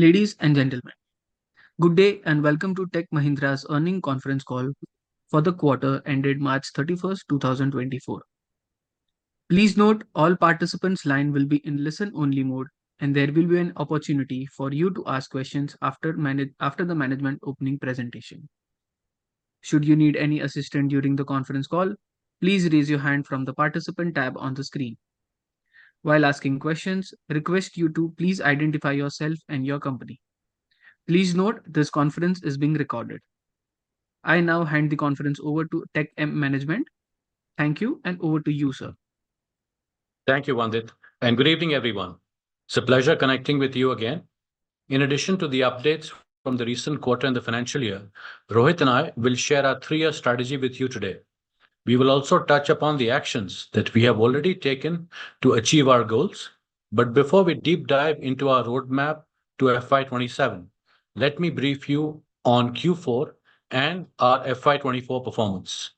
Ladies and gentlemen, good day, and welcome to Tech Mahindra's earnings conference call for the quarter ended March 31st, 2024. Please note all participants' lines will be in listen-only mode, and there will be an opportunity for you to ask questions after the management opening presentation. Should you need any assistance during the conference call, please raise your hand from the Participant tab on the screen. While asking questions, request you to please identify yourself and your company. Please note this conference is being recorded. I now hand the conference over to TechM management. Thank you, and over to you, sir. Thank you, Vandit, and good evening, everyone. It's a pleasure connecting with you again. In addition to the updates from the recent quarter and the financial year, Rohit and I will share our three-year strategy with you today. We will also touch upon the actions that we have already taken to achieve our goals. Before we deep dive into our roadmap to FY 2027, let me brief you on Q4 and our FY 2024 performance.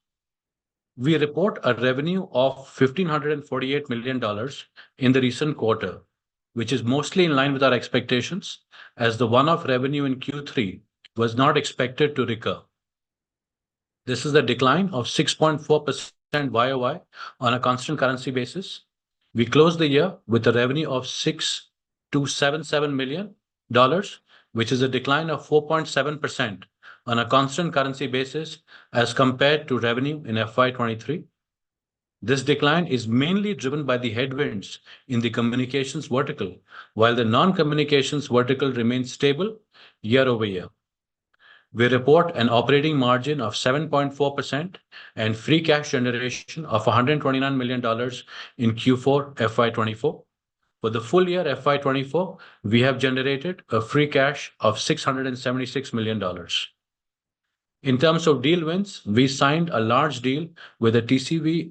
We report a revenue of $1,548 million in the recent quarter, which is mostly in line with our expectations, as the one-off revenue in Q3 was not expected to recur. This is a decline of 6.4% YoY on a constant currency basis. We closed the year with a revenue of $677 million, which is a decline of 4.7% on a constant currency basis as compared to revenue in FY 2023. This decline is mainly driven by the headwinds in the communications vertical, while the non-communications vertical remains stable year-over-year. We report an operating margin of 7.4% and free cash generation of $129 million in Q4 FY 2024. For the full year FY 2024, we have generated a free cash of $676 million. In terms of deal wins, we signed large deals with TCV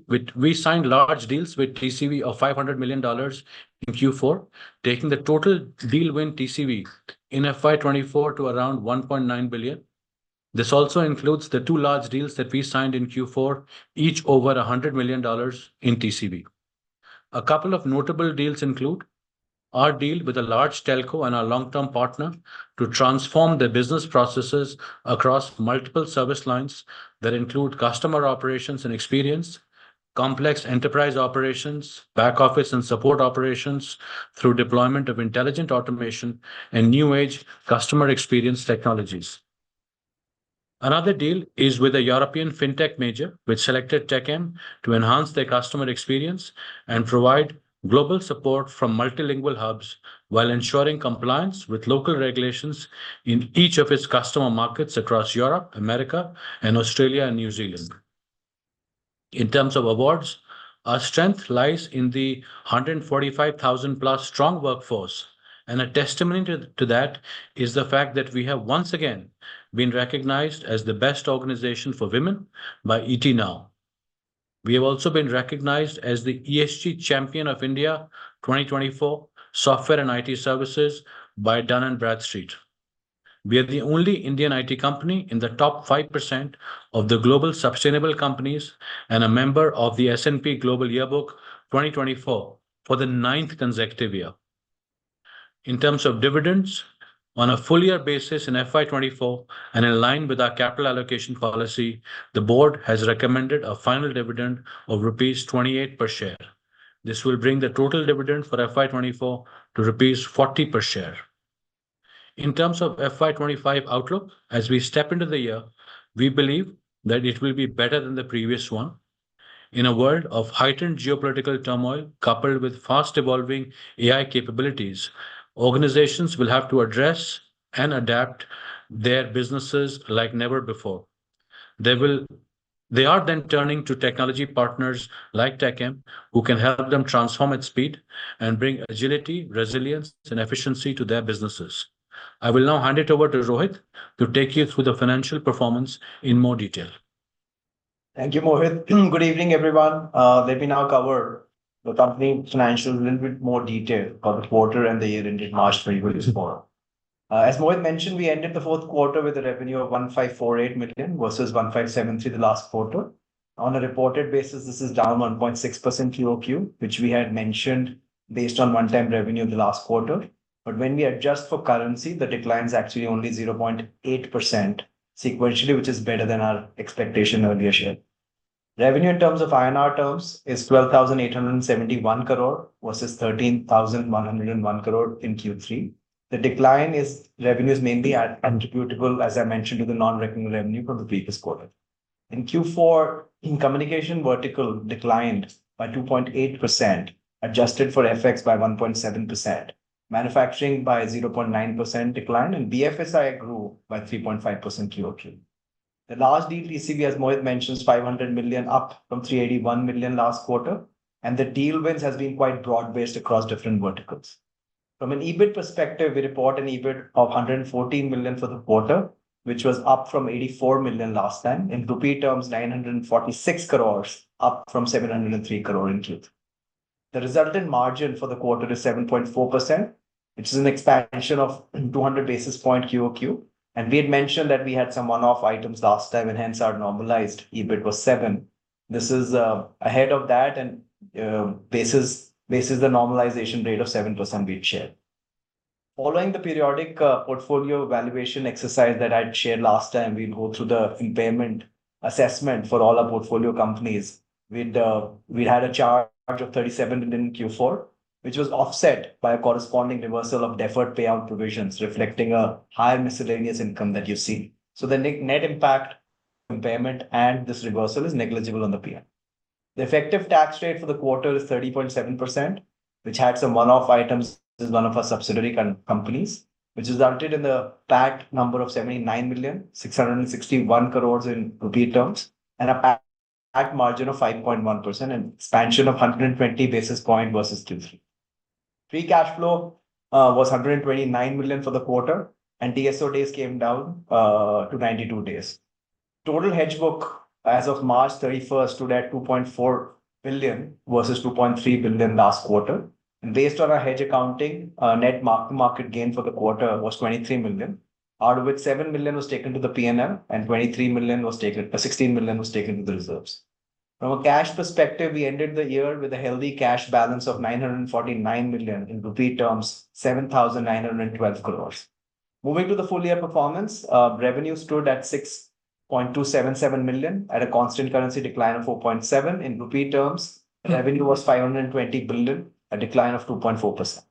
of $500 million in Q4, taking the total deal win TCV in FY 2024 to around $1.9 billion. This also includes the 2 large deals that we signed in Q4, each over $100 million in TCV. A couple of notable deals include our deal with a large telco and our long-term partner to transform their business processes across multiple service lines that include customer operations and experience, complex enterprise operations, back office and support operations through deployment of intelligent automation and new age customer experience technologies. Another deal is with a European fintech major, which selected TechM to enhance their customer experience and provide global support from multilingual hubs while ensuring compliance with local regulations in each of its customer markets across Europe, America, Australia, and New Zealand. In terms of awards, our strength lies in the 145,000+ strong workforce, and a testament to that is the fact that we have once again been recognized as the best organization for women by ET Now. We have also been recognized as the ESG Champion of India 2024 Software and IT Services by Dun & Bradstreet. We are the only Indian IT company in the top 5% of the global sustainable companies and a member of the S&P Global Yearbook 2024 for the ninth consecutive year. In terms of dividends, on a full year basis in FY 2024 and in line with our capital allocation policy, the board has recommended a final dividend of rupees 28 per share. This will bring the total dividend for FY 2024 to rupees 40 per share. In terms of FY 2025 outlook, as we step into the year, we believe that it will be better than the previous one. In a world of heightened geopolitical turmoil, coupled with fast-evolving AI capabilities, organizations will have to address and adapt their businesses like never before. They are then turning to technology partners like TechM, who can help them transform at speed and bring agility, resilience and efficiency to their businesses. I will now hand it over to Rohit to take you through the financial performance in more detail. Thank you, Mohit. Good evening, everyone. Let me now cover the company financials in a little bit more detail for the quarter and the year ended March 31st, 2024. As Mohit mentioned, we ended the fourth quarter with a revenue of $1,548 million, versus $1,573 million the last quarter. On a reported basis, this is down 1.6% QoQ, which we had mentioned based on one-time revenue in the last quarter. But when we adjust for currency, the decline is actually only 0.8% sequentially, which is better than our expectation earlier shared. Revenue in terms of INR terms is 12,871 crore, versus 13,101 crore in Q3. The decline is mainly attributable, as I mentioned, to the non-recurring revenue from the previous quarter. In Q4, in communication vertical declined by 2.8%, adjusted for FX by 1.7%, manufacturing by 0.9% decline, and BFSI grew by 3.5% QoQ. The large deal TCV, as Mohit mentioned, is $500 million, up from $381 million last quarter, and the deal wins has been quite broad-based across different verticals. From an EBIT perspective, we report an EBIT of $114 million for the quarter, which was up from $84 million last time. In rupee terms, 946 crore, up from 703 crore in Q3. The resultant margin for the quarter is 7.4%, which is an expansion of 200 basis points QoQ. And we had mentioned that we had some one-off items last time, and hence our normalized EBIT was 7%. This is ahead of that, and this is the normalization rate of 7% we've shared. Following the periodic portfolio evaluation exercise that I'd shared last time, we'd go through the impairment assessment for all our portfolio companies. We had a charge of $37 million in Q4, which was offset by a corresponding reversal of deferred payout provisions, reflecting a higher miscellaneous income that you see. So the net impact impairment and this reversal is negligible on the P&L. The effective tax rate for the quarter is 30.7%, which had some one-off items as one of our subsidiary companies, which is audited in the tax number of $79 million, 661 crore in rupee terms, and a tax margin of 5.1%, an expansion of 120 basis point versus Q3. Free cash flow was $129 million for the quarter, and DSO days came down to 92 days. Total hedge book as of March 31st stood at $2.4 billion, versus $2.3 billion last quarter. Based on our hedge accounting, net market gain for the quarter was $23 million, out of which $7 million was taken to the PNL and $23 million was taken, $16 million was taken to the reserves. From a cash perspective, we ended the year with a healthy cash balance of $949 million, in rupee terms, 7,912 crore. Moving to the full year performance, revenue stood at $6.277 million, at a constant currency decline of 4.7%. In rupee terms, revenue was 520 billion, a decline of 2.4%.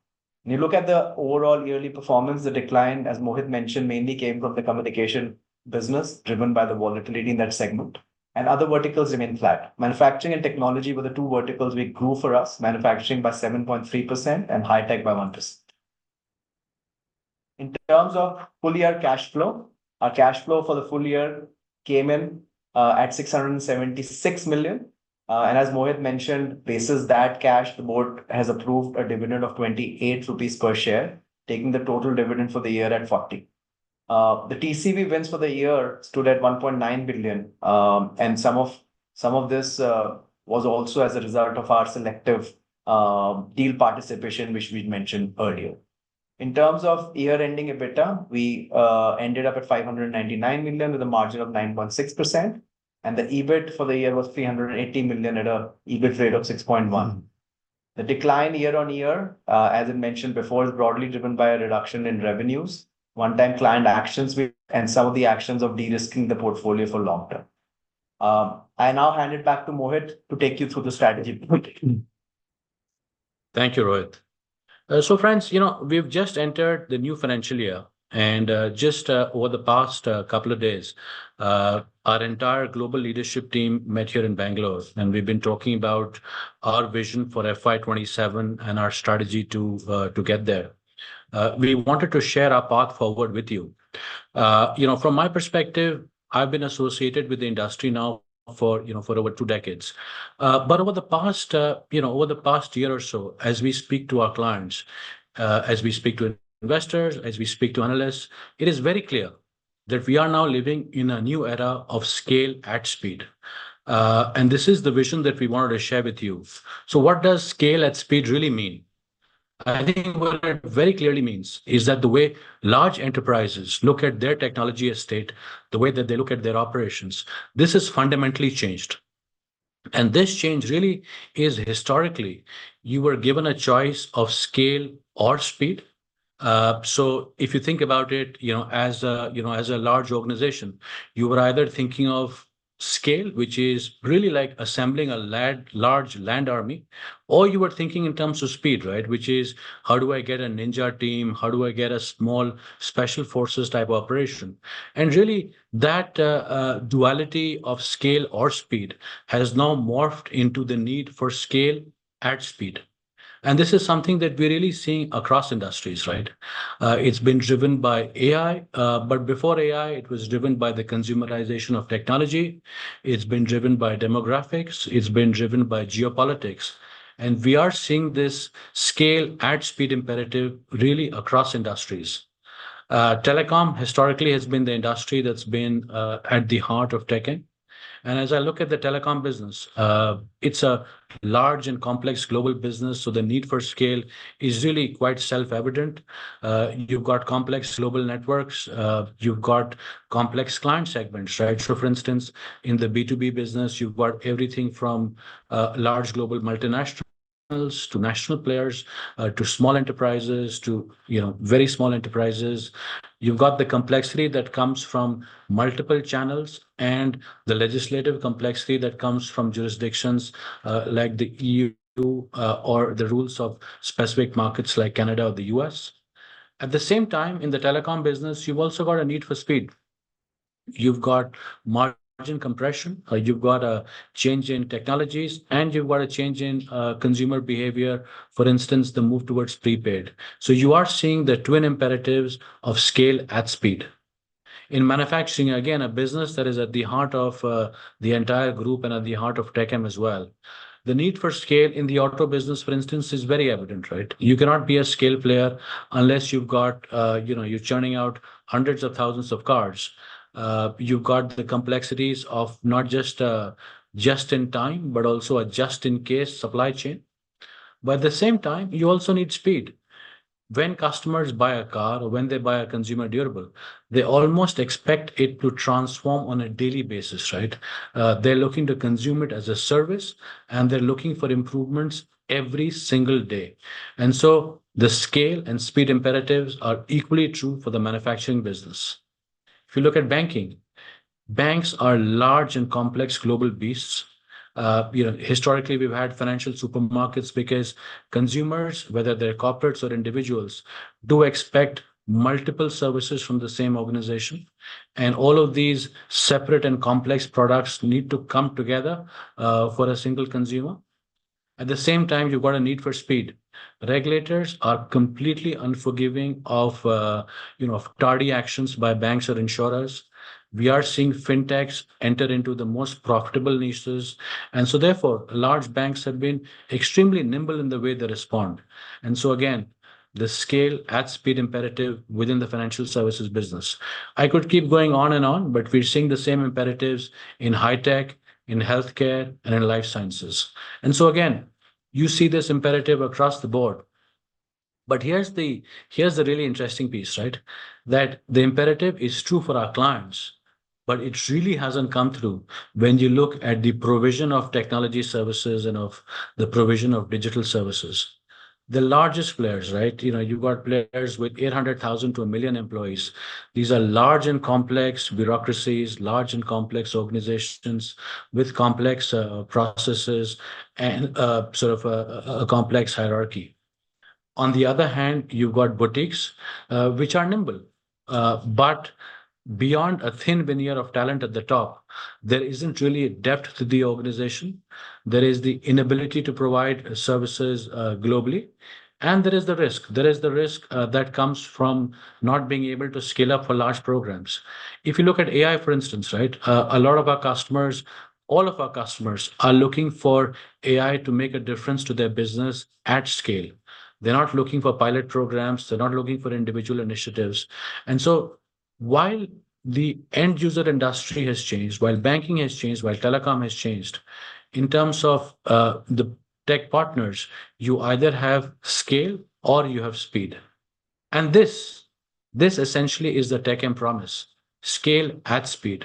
When you look at the overall yearly performance, the decline, as Mohit mentioned, mainly came from the communication business, driven by the volatility in that segment, and other verticals remained flat. Manufacturing and Technology were the two verticals which grew for us, Manufacturing by 7.3% and Hi-Tech by 1%. In terms of full year cash flow, our cash flow for the full year came in at 676 million. And as Mohit mentioned, based on that cash, the board has approved a dividend of 28 rupees per share, taking the total dividend for the year at 40. The TCV wins for the year stood at $1.9 billion, and some of, some of this was also as a result of our selective deal participation, which we'd mentioned earlier. In terms of year-ending EBITDA, we ended up at $599 million, with a margin of 9.6%, and the EBIT for the year was $380 million at an EBIT rate of 6.1%. The decline year-on-year, as I mentioned before, is broadly driven by a reduction in revenues, one-time client actions and some of the actions of de-risking the portfolio for long term. I now hand it back to Mohit to take you through the strategy. Thank you, Rohit. So friends, you know, we've just entered the new financial year, and just over the past couple of days, our entire global leadership team met here in Bangalore, and we've been talking about our vision for FY 2027 and our strategy to to get there. We wanted to share our path forward with you. You know, from my perspective, I've been associated with the industry now for you know, for over two decades. But over the past you know, over the past year or so, as we speak to our clients, as we speak to investors, as we speak to analysts, it is very clear that we are now living in a new era of scale at speed. And this is the vision that we wanted to share with you. So what does scale at speed really mean? I think what it very clearly means is that the way large enterprises look at their technology estate, the way that they look at their operations, this has fundamentally changed. And this change really is historically, you were given a choice of scale or speed. So if you think about it, you know, as a, you know, as a large organization, you were either thinking of scale, which is really like assembling a large land army, or you were thinking in terms of speed, right? Which is, how do I get a ninja team? How do I get a small special forces type operation? And really, that duality of scale or speed has now morphed into the need for scale at speed. And this is something that we're really seeing across industries, right? It's been driven by AI, but before AI, it was driven by the consumerization of technology. It's been driven by demographics, it's been driven by geopolitics, and we are seeing this scale at speed imperative really across industries. Telecom historically has been the industry that's been at the heart of tech, and as I look at the telecom business, it's a large and complex global business, so the need for scale is really quite self-evident. You've got complex global networks, you've got complex client segments, right? So for instance, in the B2B business, you've got everything from large global multinationals to national players, to small enterprises, to, you know, very small enterprises. You've got the complexity that comes from multiple channels and the legislative complexity that comes from jurisdictions, like the EU, or the rules of specific markets like Canada or the U.S. At the same time, in the telecom business, you've also got a need for speed. You've got margin compression, you've got a change in technologies, and you've got a change in consumer behavior, for instance, the move towards prepaid. So you are seeing the twin imperatives of scale at speed. In manufacturing, again, a business that is at the heart of the entire group and at the heart of TechM as well. The need for scale in the auto business, for instance, is very evident, right? You cannot be a scale player unless you've got, you know, you're churning out hundreds of thousands of cars. You've got the complexities of not just just in time, but also a just in case supply chain. But at the same time, you also need speed. When customers buy a car or when they buy a consumer durable, they almost expect it to transform on a daily basis, right? They're looking to consume it as a service, and they're looking for improvements every single day. And so the scale and speed imperatives are equally true for the manufacturing business. If you look at banking, banks are large and complex global beasts. You know, historically, we've had financial supermarkets because consumers, whether they're corporates or individuals, do expect multiple services from the same organization, and all of these separate and complex products need to come together for a single consumer. At the same time, you've got a need for speed. Regulators are completely unforgiving of, you know, of tardy actions by banks or insurers. We are seeing fintechs enter into the most profitable niches, and so therefore, large banks have been extremely nimble in the way they respond. And so again, the scale at speed imperative within the financial services business. I could keep going on and on, but we're seeing the same imperatives in Hi-Tech, in Healthcare, and in Life Sciences. And so again, you see this imperative across the board. But here's the, here's the really interesting piece, right? That the imperative is true for our clients, but it really hasn't come through when you look at the provision of technology services and of the provision of digital services. The largest players, right? You know, you've got players with 800,000 to 1 million employees. These are large and complex bureaucracies, large and complex organizations with complex processes and sort of a complex hierarchy. On the other hand, you've got boutiques, which are nimble, but beyond a thin veneer of talent at the top, there isn't really a depth to the organization. There is the inability to provide services globally, and there is the risk. There is the risk that comes from not being able to scale up for large programs. If you look at AI, for instance, right, a lot of our customers, all of our customers are looking for AI to make a difference to their business at scale. They're not looking for pilot programs, they're not looking for individual initiatives. So while the end user industry has changed, while banking has changed, while telecom has changed, in terms of, the tech partners, you either have scale or you have speed. And this, this essentially is the TechM promise, scale at speed.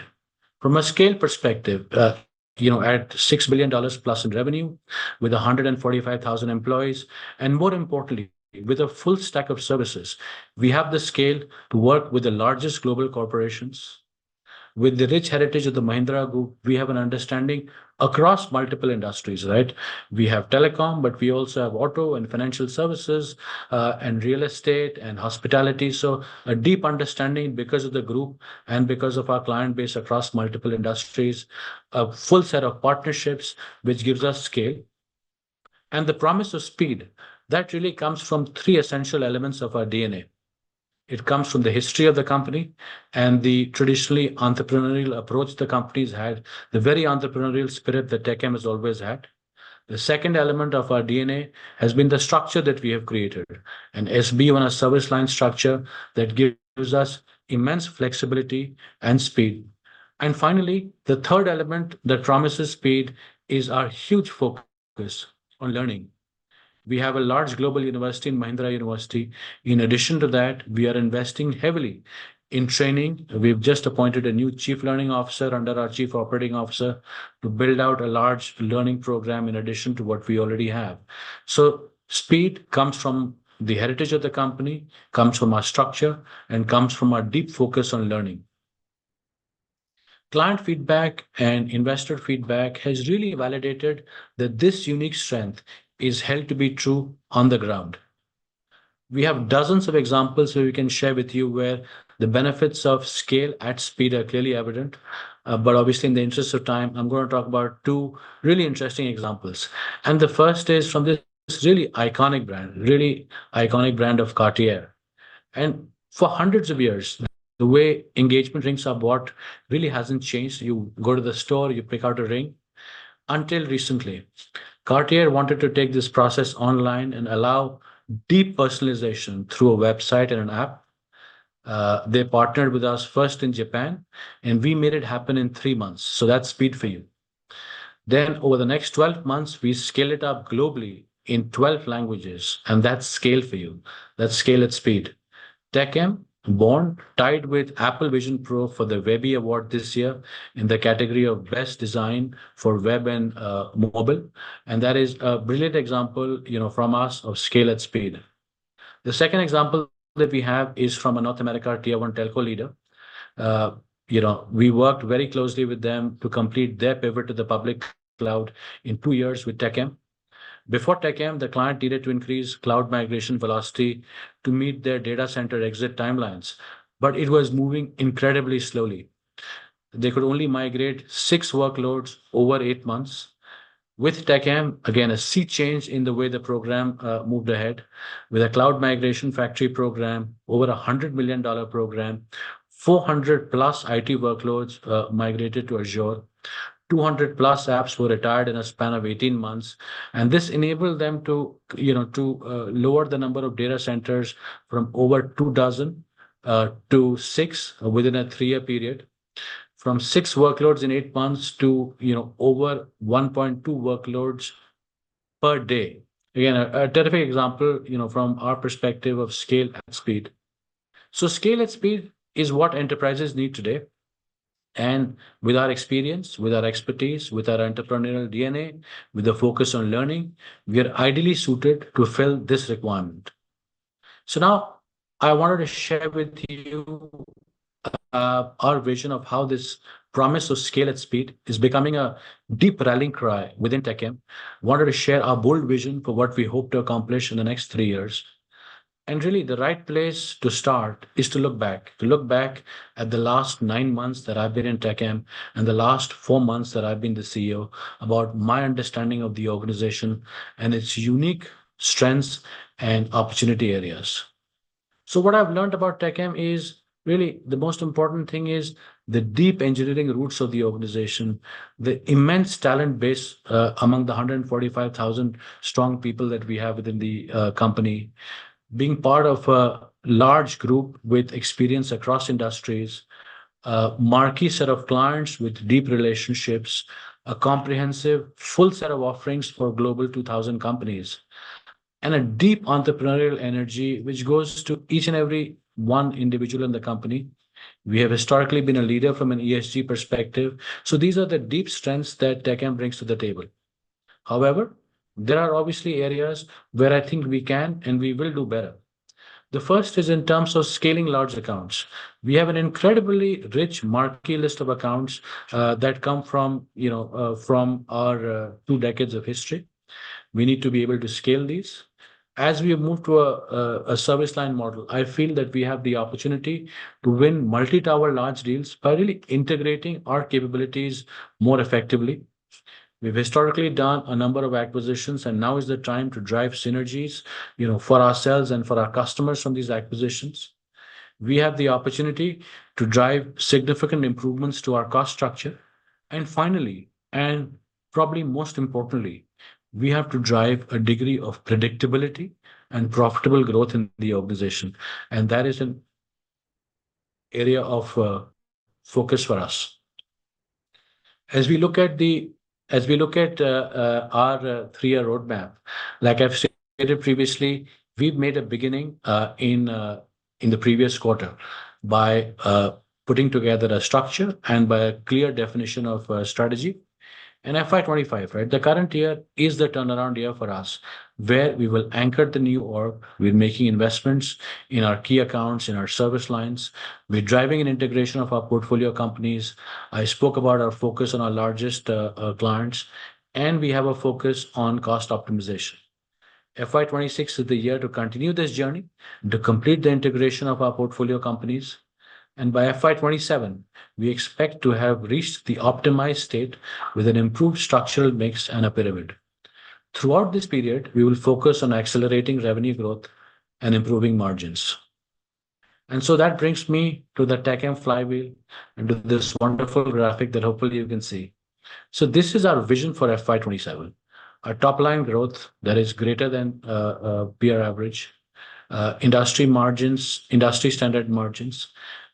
From a scale perspective, you know, at $6+ billion in revenue, with 145,000 employees, and more importantly, with a full stack of services, we have the scale to work with the largest global corporations. With the rich heritage of the Mahindra Group, we have an understanding across multiple industries, right? We have telecom, but we also have auto, and financial services, and real estate, and hospitality. So a deep understanding because of the group and because of our client base across multiple industries, a full set of partnerships, which gives us scale. The promise of speed, that really comes from three essential elements of our DNA. It comes from the history of the company and the traditionally entrepreneurial approach the company's had, the very entrepreneurial spirit that TechM has always had. The second element of our DNA has been the structure that we have created, an SBU on a service line structure that gives us immense flexibility and speed. And finally, the third element that promises speed is our huge focus on learning. We have a large global university in Mahindra University. In addition to that, we are investing heavily in training. We've just appointed a new Chief Learning Officer under our Chief Operating Officer to build out a large learning program in addition to what we already have. So speed comes from the heritage of the company, comes from our structure, and comes from our deep focus on learning. Client feedback and investor feedback has really validated that this unique strength is held to be true on the ground. We have dozens of examples we can share with you where the benefits of scale at speed are clearly evident, but obviously, in the interest of time, I'm gonna talk about two really interesting examples. The first is from this really iconic brand, really iconic brand of Cartier. For hundreds of years, the way engagement rings are bought really hasn't changed. You go to the store, you pick out a ring. Until recently, Cartier wanted to take this process online and allow deep personalization through a website and an app. They partnered with us first in Japan, and we made it happen in three months, so that's speed for you. Then over the next 12 months, we scale it up globally in 12 languages, and that's scale for you. That's scale at speed. TechM, BORN, tied with Apple Vision Pro for the Webby Award this year in the category of best design for web and mobile, and that is a brilliant example, you know, from us of scale at speed. The second example that we have is from a North America tier-one telco leader. You know, we worked very closely with them to complete their pivot to the public cloud in two years with TechM. Before TechM, the client needed to increase cloud migration velocity to meet their data center exit timelines, but it was moving incredibly slowly. They could only migrate six workloads over eight months. With TechM, again, a sea change in the way the program moved ahead. With a Cloud Migration Factory program, over $100 million program, 400+ IT workloads migrated to Azure, 200+ apps were retired in a span of 18 months, and this enabled them to, you know, to lower the number of data centers from over two dozen to six within a three-year period, from six workloads in eight months to, you know, over 1.2 workloads per day. Again, a terrific example, you know, from our perspective of scale and speed. So scale and speed is what enterprises need today, and with our experience, with our expertise, with our entrepreneurial DNA, with a focus on learning, we are ideally suited to fill this requirement. So now I wanted to share with you our vision of how this promise of scale and speed is becoming a deep rallying cry within TechM. Wanted to share our bold vision for what we hope to accomplish in the next three years. Really, the right place to start is to look back, to look back at the last nine months that I've been in TechM, and the last four months that I've been the CEO, about my understanding of the organization and its unique strengths and opportunity areas. What I've learned about TechM is, really the most important thing is the deep engineering roots of the organization, the immense talent base, among the 145,000-strong people that we have within the company. Being part of a large group with experience across industries, a marquee set of clients with deep relationships, a comprehensive full set of offerings for Global 2000 companies, and a deep entrepreneurial energy, which goes to each and every one individual in the company. We have historically been a leader from an ESG perspective. So these are the deep strengths that TechM brings to the table. However, there are obviously areas where I think we can and we will do better. The first is in terms of scaling large accounts. We have an incredibly rich marquee list of accounts, that come from, you know, from our, two decades of history. We need to be able to scale these. As we move to a, a service line model, I feel that we have the opportunity to win multi-tower large deals by really integrating our capabilities more effectively. We've historically done a number of acquisitions, and now is the time to drive synergies, you know, for ourselves and for our customers from these acquisitions. We have the opportunity to drive significant improvements to our cost structure. Finally, and probably most importantly, we have to drive a degree of predictability and profitable growth in the organization, and that is an area of focus for us. As we look at our three-year roadmap, like I've stated previously, we've made a beginning in the previous quarter by putting together a structure and by a clear definition of strategy. In FY 2025, right? The current year is the turnaround year for us, where we will anchor the new org. We're making investments in our key accounts, in our service lines. We're driving an integration of our portfolio companies. I spoke about our focus on our largest clients, and we have a focus on cost optimization. FY 2026 is the year to continue this journey, to complete the integration of our portfolio companies, and by FY 2027, we expect to have reached the optimized state with an improved structural mix and a pyramid. Throughout this period, we will focus on accelerating revenue growth and improving margins. And so that brings me to the TechM flywheel and to this wonderful graphic that hopefully you can see. So this is our vision for FY 2027. Our top line growth that is greater than peer average, industry margins, industry standard margins,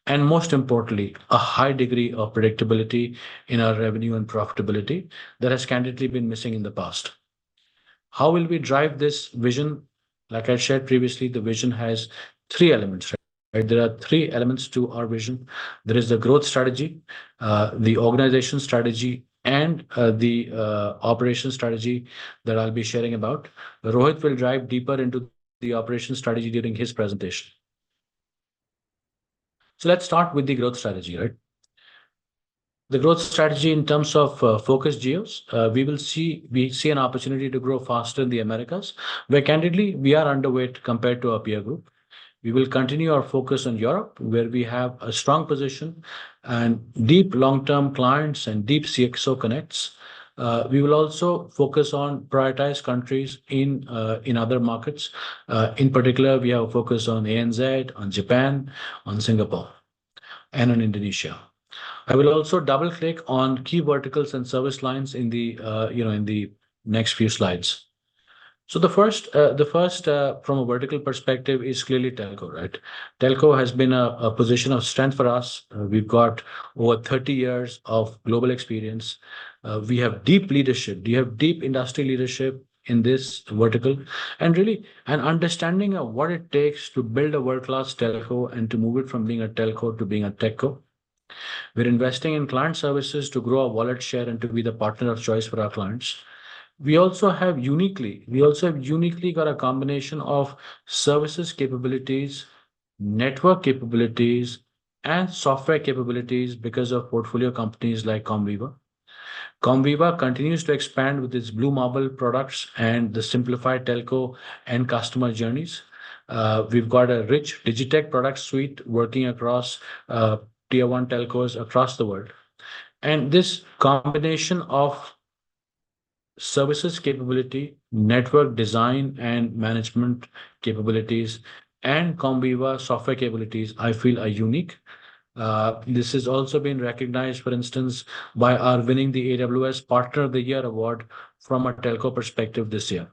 and most importantly, a high degree of predictability in our revenue and profitability that has candidly been missing in the past. How will we drive this vision? Like I shared previously, the vision has 3 elements, right? There are 3 elements to our vision. There is the growth strategy, the organization strategy, and the operation strategy that I'll be sharing about. Rohit will dive deeper into the operation strategy during his presentation. Let's start with the growth strategy, right? The growth strategy in terms of focus geos. We see an opportunity to grow faster in the Americas, where candidly, we are underweight compared to our peer group. We will continue our focus on Europe, where we have a strong position and deep long-term clients and deep CxO connects. We will also focus on prioritized countries in other markets. In particular, we have a focus on ANZ, on Japan, on Singapore, and on Indonesia. I will also double-click on key verticals and service lines in the, you know, in the next few slides. So the first from a vertical perspective is clearly telco, right? Telco has been a position of strength for us. We've got over 30 years of global experience. We have deep leadership, we have deep industry leadership in this vertical, and really an understanding of what it takes to build a world-class telco and to move it from being a telco to being a TechCo. We're investing in client services to grow our wallet share and to be the partner of choice for our clients. We also have uniquely got a combination of services capabilities, network capabilities, and software capabilities because of portfolio companies like Comviva. Comviva continues to expand with its BlueMarble products and the simplified telco and customer journeys. We've got a rich DigiTech product suite working across tier-one telcos across the world. This combination of services capability, network design, and management capabilities, and Comviva software capabilities, I feel are unique. This has also been recognized, for instance, by our winning the AWS Partner of the Year award from a telco perspective this year.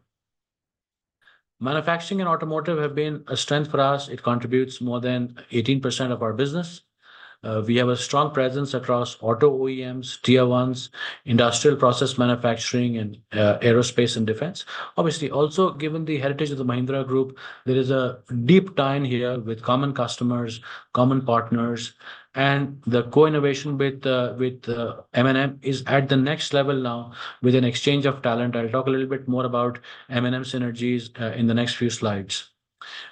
Manufacturing and automotive have been a strength for us. It contributes more than 18% of our business. We have a strong presence across auto OEMs, tier-ones, industrial process manufacturing, and aerospace and defense. Obviously, also, given the heritage of the Mahindra Group, there is a deep tie-in here with common customers, common partners, and the co-innovation with M&M is at the next level now with an exchange of talent. I'll talk a little bit more about M&M synergies in the next few slides.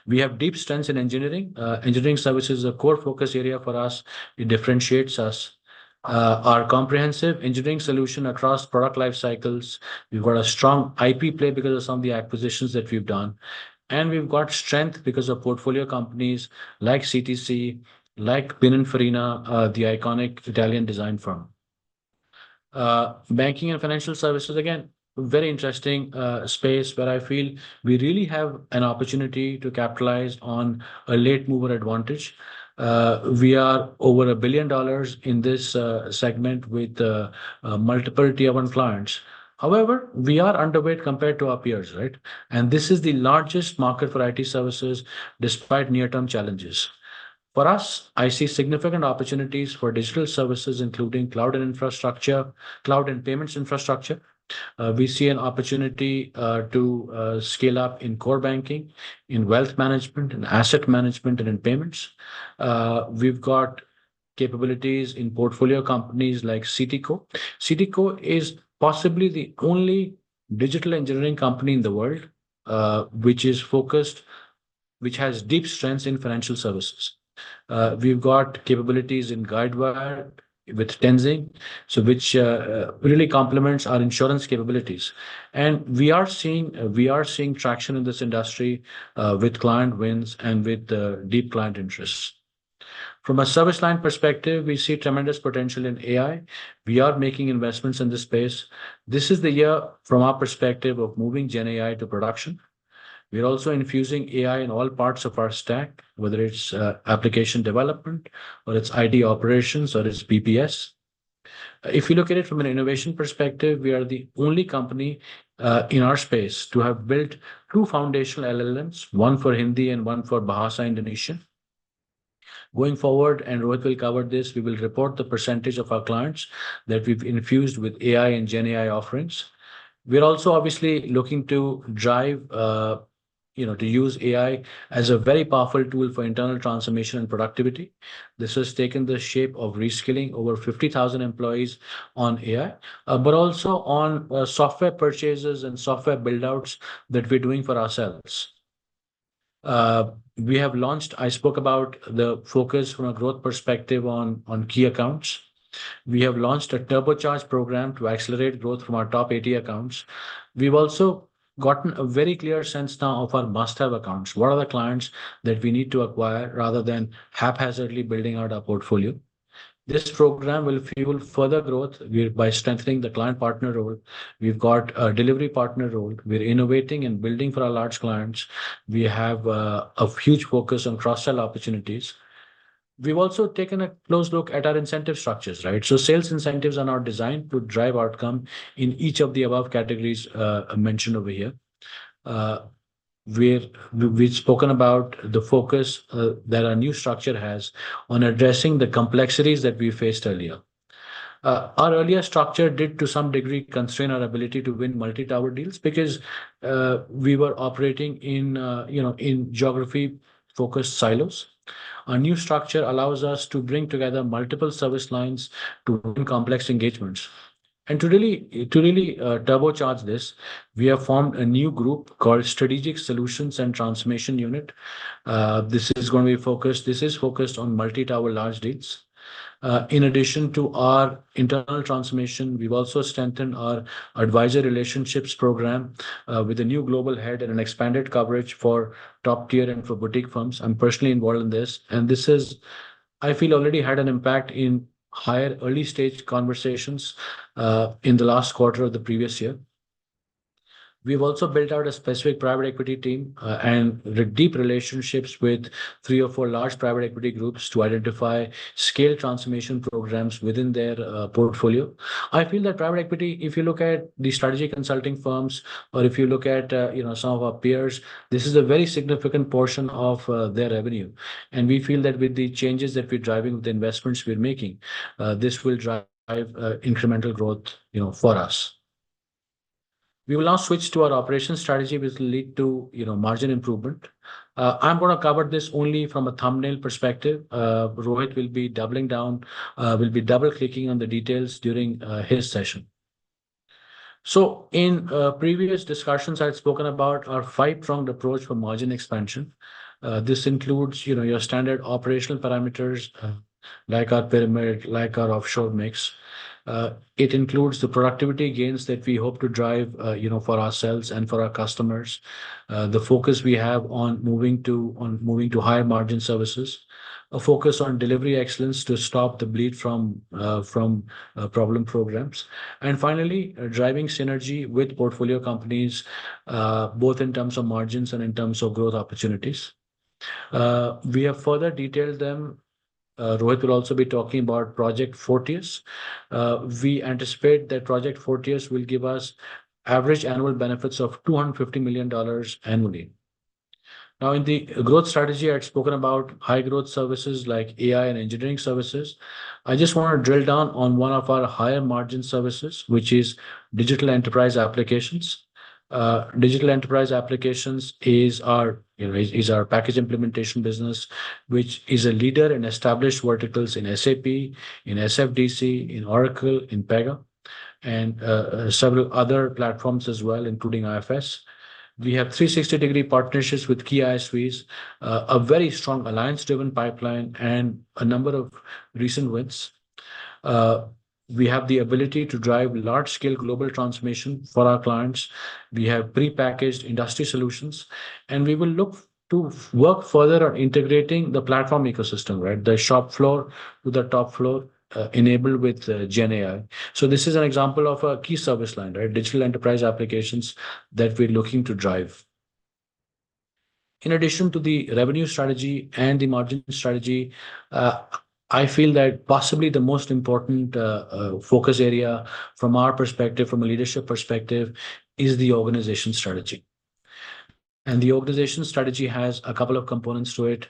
We have deep strengths in engineering. Engineering service is a core focus area for us. It differentiates us. Our comprehensive engineering solution across product life cycles, we've got a strong IP play because of some of the acquisitions that we've done, and we've got strength because of portfolio companies like CTC, like Pininfarina, the iconic Italian design firm. Banking and financial services, again, very interesting space, where I feel we really have an opportunity to capitalize on a late mover advantage. We are over $1 billion in this segment with multiple tier-one clients. However, we are underweight compared to our peers, right? And this is the largest market for IT services despite near-term challenges. For us, I see significant opportunities for digital services, including cloud and infrastructure, cloud and payments infrastructure. We see an opportunity to scale up in core banking, in wealth management, in asset management, and in payments. We've got capabilities in portfolio companies like C.T.Co. C.T.Co is possibly the only digital engineering company in the world which has deep strengths in financial services. We've got capabilities in Guidewire with Tenzing, so which really complements our insurance capabilities. We are seeing traction in this industry with client wins and with deep client interests. From a service line perspective, we see tremendous potential in AI. We are making investments in this space. This is the year, from our perspective, of moving GenAI to production. We are also infusing AI in all parts of our stack, whether it's application development or it's IT operations or it's BPS. If you look at it from an innovation perspective, we are the only company in our space to have built two foundational LLMs, one for Hindi and one for Bahasa Indonesia. Going forward, and Rohit will cover this, we will report the percentage of our clients that we've infused with AI and GenAI offerings. We're also obviously looking to drive, you know, to use AI as a very powerful tool for internal transformation and productivity. This has taken the shape of reskilling over 50,000 employees on AI, but also on software purchases and software build-outs that we're doing for ourselves. We have launched. I spoke about the focus from a growth perspective on key accounts. We have launched a turbocharge program to accelerate growth from our top 80 accounts. We've also gotten a very clear sense now of our must-have accounts. What are the clients that we need to acquire, rather than haphazardly building out our portfolio? This program will fuel further growth by strengthening the client partner role. We've got a delivery partner role. We're innovating and building for our large clients. We have a huge focus on cross-sell opportunities. We've also taken a close look at our incentive structures, right? So sales incentives are now designed to drive outcome in each of the above categories mentioned over here. We've spoken about the focus that our new structure has on addressing the complexities that we faced earlier. Our earlier structure did, to some degree, constrain our ability to win multi-tower deals because we were operating in, you know, in geography-focused silos. Our new structure allows us to bring together multiple service lines to build complex engagements. To really turbocharge this, we have formed a new group called Strategic Solutions and Transformation Unit. This is focused on multi-tower large deals. In addition to our internal transformation, we've also strengthened our advisory relationships program with a new global head and an expanded coverage for top-tier and for boutique firms. I'm personally involved in this, and this has, I feel, already had an impact in higher early-stage conversations in the last quarter of the previous year. We've also built out a specific private equity team and with deep relationships with three or four large private equity groups to identify scale transformation programs within their portfolio. I feel that private equity, if you look at the strategy consulting firms, or if you look at, you know, some of our peers, this is a very significant portion of their revenue. We feel that with the changes that we're driving, the investments we're making, this will drive incremental growth, you know, for us. We will now switch to our operations strategy, which will lead to, you know, margin improvement. I'm gonna cover this only from a thumbnail perspective. Rohit will be doubling down, will be double-clicking on the details during his session. So in previous discussions, I've spoken about our five-pronged approach for margin expansion. This includes, you know, your standard operational parameters, like our pyramid, like our offshore mix. It includes the productivity gains that we hope to drive, you know, for ourselves and for our customers. The focus we have on moving to, on moving to higher margin services, a focus on delivery excellence to stop the bleed from, from, problem programs. And finally, driving synergy with portfolio companies, both in terms of margins and in terms of growth opportunities. We have further detailed them. Rohit will also be talking about Project Fortius. We anticipate that Project Fortius will give us average annual benefits of $250 million annually. Now, in the growth strategy, I had spoken about high-growth services like AI and engineering services. I just wanna drill down on one of our higher margin services, which is digital enterprise applications. Digital enterprise applications is our, you know, our package implementation business, which is a leader in established verticals in SAP, in SFDC, in Oracle, in Pega, and several other platforms as well, including IFS. We have 360-degree partnerships with key ISVs, a very strong alliance-driven pipeline, and a number of recent wins. We have the ability to drive large-scale global transformation for our clients. We have pre-packaged industry solutions, and we will look to work further on integrating the platform ecosystem, right? The shop floor to the top floor, enabled with GenAI. So this is an example of a key service line, right? Digital enterprise applications that we're looking to drive. In addition to the revenue strategy and the margin strategy, I feel that possibly the most important focus area from our perspective, from a leadership perspective, is the organization strategy. The organization strategy has a couple of components to it.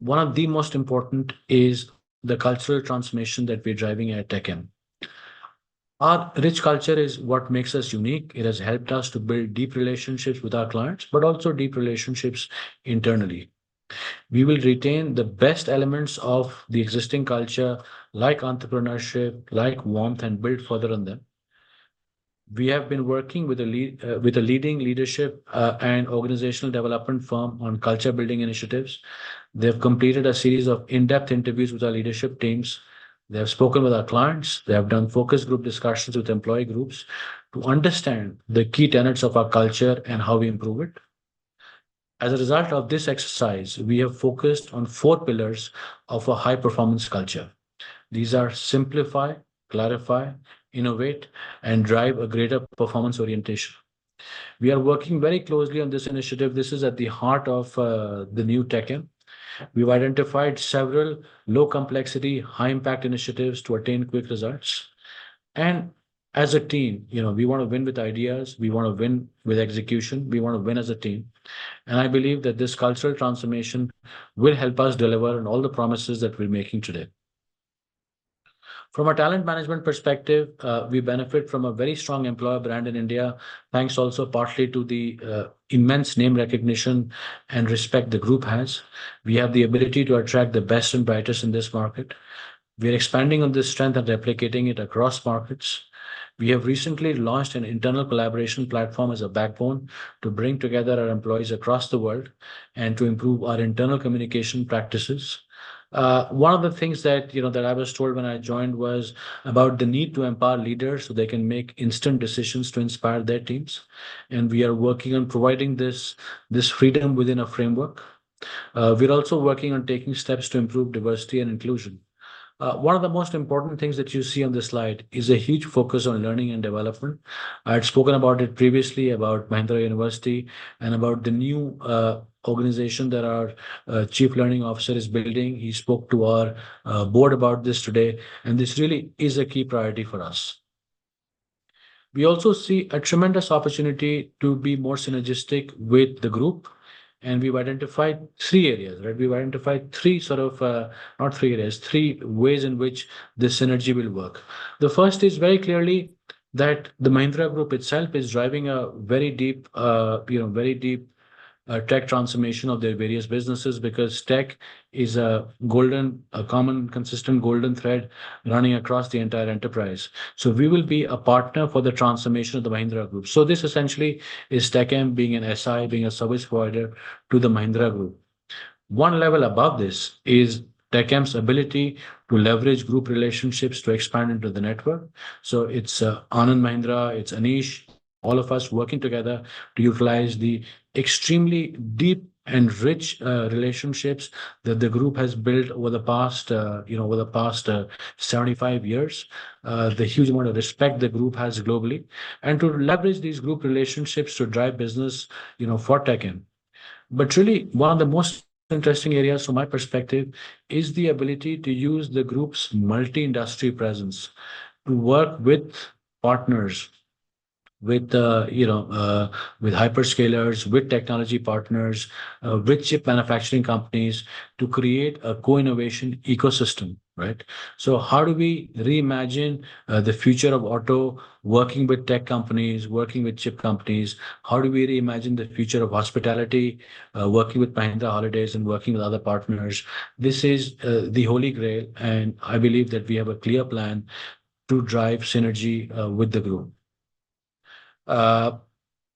One of the most important is the cultural transformation that we're driving at TechM. Our rich culture is what makes us unique. It has helped us to build deep relationships with our clients, but also deep relationships internally. We will retain the best elements of the existing culture, like entrepreneurship, like warmth, and build further on them. We have been working with a leading leadership and organizational development firm on culture-building initiatives. They have completed a series of in-depth interviews with our leadership teams. They have spoken with our clients. They have done focus group discussions with employee groups to understand the key tenets of our culture and how we improve it. As a result of this exercise, we have focused on four pillars of a high-performance culture. These are simplify, clarify, innovate, and drive a greater performance orientation. We are working very closely on this initiative. This is at the heart of the new TechM. We've identified several low-complexity, high-impact initiatives to attain quick results. And as a team, you know, we wanna win with ideas, we wanna win with execution, we wanna win as a team, and I believe that this cultural transformation will help us deliver on all the promises that we're making today. From a talent management perspective, we benefit from a very strong employer brand in India, thanks also partly to the immense name recognition and respect the group has. We have the ability to attract the best and brightest in this market. We are expanding on this strength and replicating it across markets. We have recently launched an internal collaboration platform as a backbone to bring together our employees across the world and to improve our internal communication practices. One of the things that, you know, that I was told when I joined was about the need to empower leaders so they can make instant decisions to inspire their teams, and we are working on providing this, this freedom within a framework. We're also working on taking steps to improve diversity and inclusion. One of the most important things that you see on this slide is a huge focus on learning and development. I had spoken about it previously, about Mahindra University and about the new organization that our Chief Learning Officer is building. He spoke to our board about this today, and this really is a key priority for us. We also see a tremendous opportunity to be more synergistic with the group, and we've identified three areas, right? We've identified three sort of, not three areas, three ways in which this synergy will work. The first is very clearly that the Mahindra Group itself is driving a very deep, you know, very deep, tech transformation of their various businesses, because tech is a golden, a common, consistent golden thread running across the entire enterprise. So we will be a partner for the transformation of the Mahindra Group. So this essentially is TechM being an SI, being a service provider to the Mahindra Group. One level above this is TechM's ability to leverage group relationships to expand into the network. So it's Anand Mahindra, it's Anish, all of us working together to utilize the extremely deep and rich relationships that the group has built over the past, you know, over the past 75 years, the huge amount of respect the group has globally, and to leverage these group relationships to drive business, you know, for TechM. But truly, one of the most interesting areas from my perspective is the ability to use the group's multi-industry presence to work with partners, with, you know, with hyperscalers, with technology partners, with chip manufacturing companies, to create a co-innovation ecosystem, right? So how do we reimagine the future of auto, working with tech companies, working with chip companies? How do we reimagine the future of hospitality, working with Mahindra Holidays and working with other partners? This is the holy grail, and I believe that we have a clear plan to drive synergy with the group.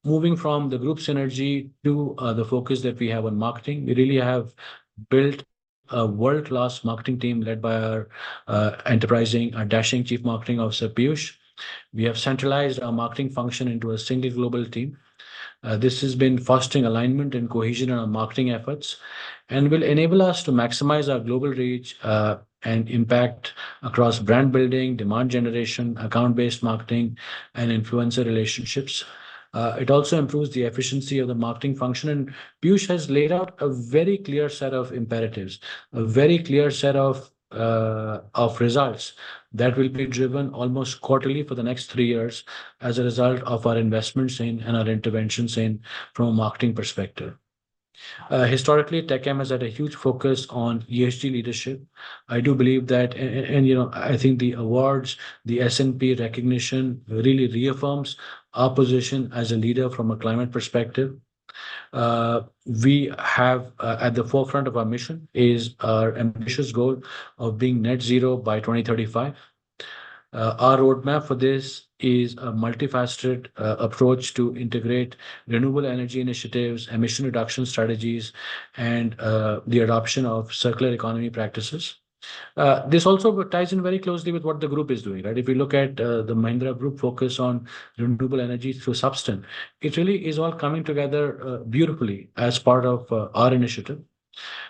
Moving from the group synergy to the focus that we have on marketing, we really have built a world-class marketing team led by our enterprising, our dashing Chief Marketing Officer, Peeyush. We have centralized our marketing function into a single global team. This has been fostering alignment and cohesion in our marketing efforts and will enable us to maximize our global reach and impact across brand building, demand generation, account-based marketing, and influencer relationships. It also improves the efficiency of the marketing function, and Peeyush has laid out a very clear set of imperatives, a very clear set of results that will be driven almost quarterly for the next three years as a result of our investments and our interventions in from a marketing perspective. Historically, TechM has had a huge focus on ESG leadership. I do believe that, and, you know, I think the awards, the S&P recognition, really reaffirms our position as a leader from a climate perspective. At the forefront of our mission is our ambitious goal of being net zero by 2035. Our roadmap for this is a multifaceted approach to integrate renewable energy initiatives, emission reduction strategies, and the adoption of circular economy practices. This also ties in very closely with what the group is doing, right? If you look at, the Mahindra Group focus on renewable energy through subcontinent, it really is all coming together, beautifully as part of, our initiative.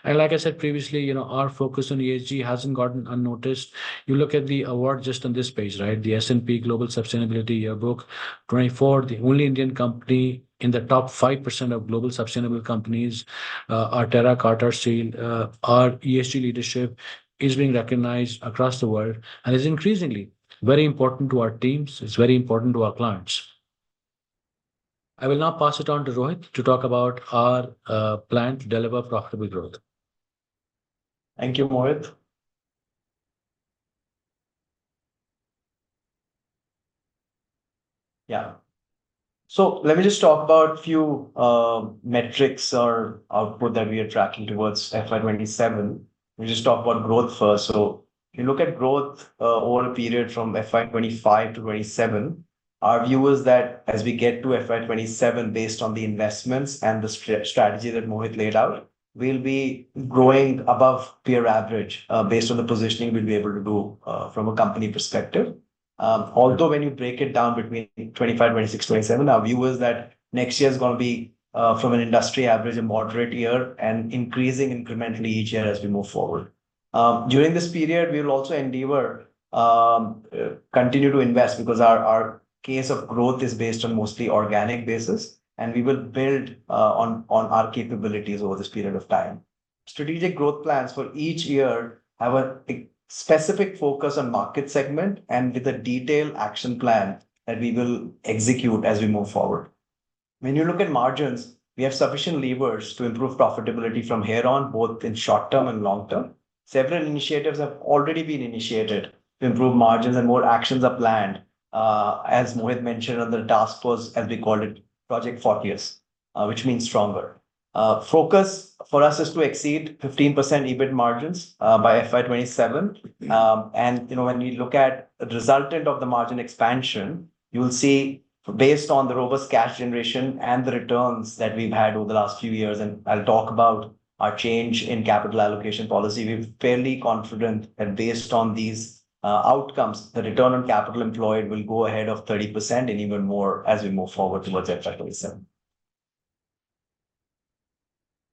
And like I said previously, you know, our focus on ESG hasn't gone unnoticed. You look at the award just on this page, right? The S&P Global Sustainability Yearbook 2024, the only Indian company in the top 5% of global sustainable companies. Our Terra Carta Seal, our ESG leadership is being recognized across the world and is increasingly very important to our teams, it's very important to our clients. I will now pass it on to Rohit to talk about our, plan to deliver profitable growth. Thank you, Mohit. Yeah. So let me just talk about few metrics or output that we are tracking towards FY 2027. We'll just talk about growth first. So if you look at growth, over a period from FY 2025 to FY 2027, our view is that as we get to FY 2027, based on the investments and the strategy that Mohit laid out, we'll be growing above peer average, based on the positioning we'll be able to do, from a company perspective. Although when you break it down between FY 2025, FY 2026, FY 2027, our view is that next year is gonna be, from an industry average, a moderate year, and increasing incrementally each year as we move forward. During this period, we will also endeavor continue to invest, because our, our case of growth is based on mostly organic basis, and we will build, on, on our capabilities over this period of time. Strategic growth plans for each year have a, a specific focus on market segment and with a detailed action plan that we will execute as we move forward. When you look at margins, we have sufficient levers to improve profitability from here on, both in short term and long term. Several initiatives have already been initiated to improve margins and more actions are planned, as Mohit mentioned, on the task force, as we called it, Project Fortius, which means stronger. Focus for us is to exceed 15% EBIT margins, by FY 2027. You know, when we look at the resultant of the margin expansion, you will see, based on the robust cash generation and the returns that we've had over the last few years, and I'll talk about our change in capital allocation policy, we're fairly confident that based on these outcomes, the return on capital employed will go ahead of 30% and even more as we move forward towards FY 2027.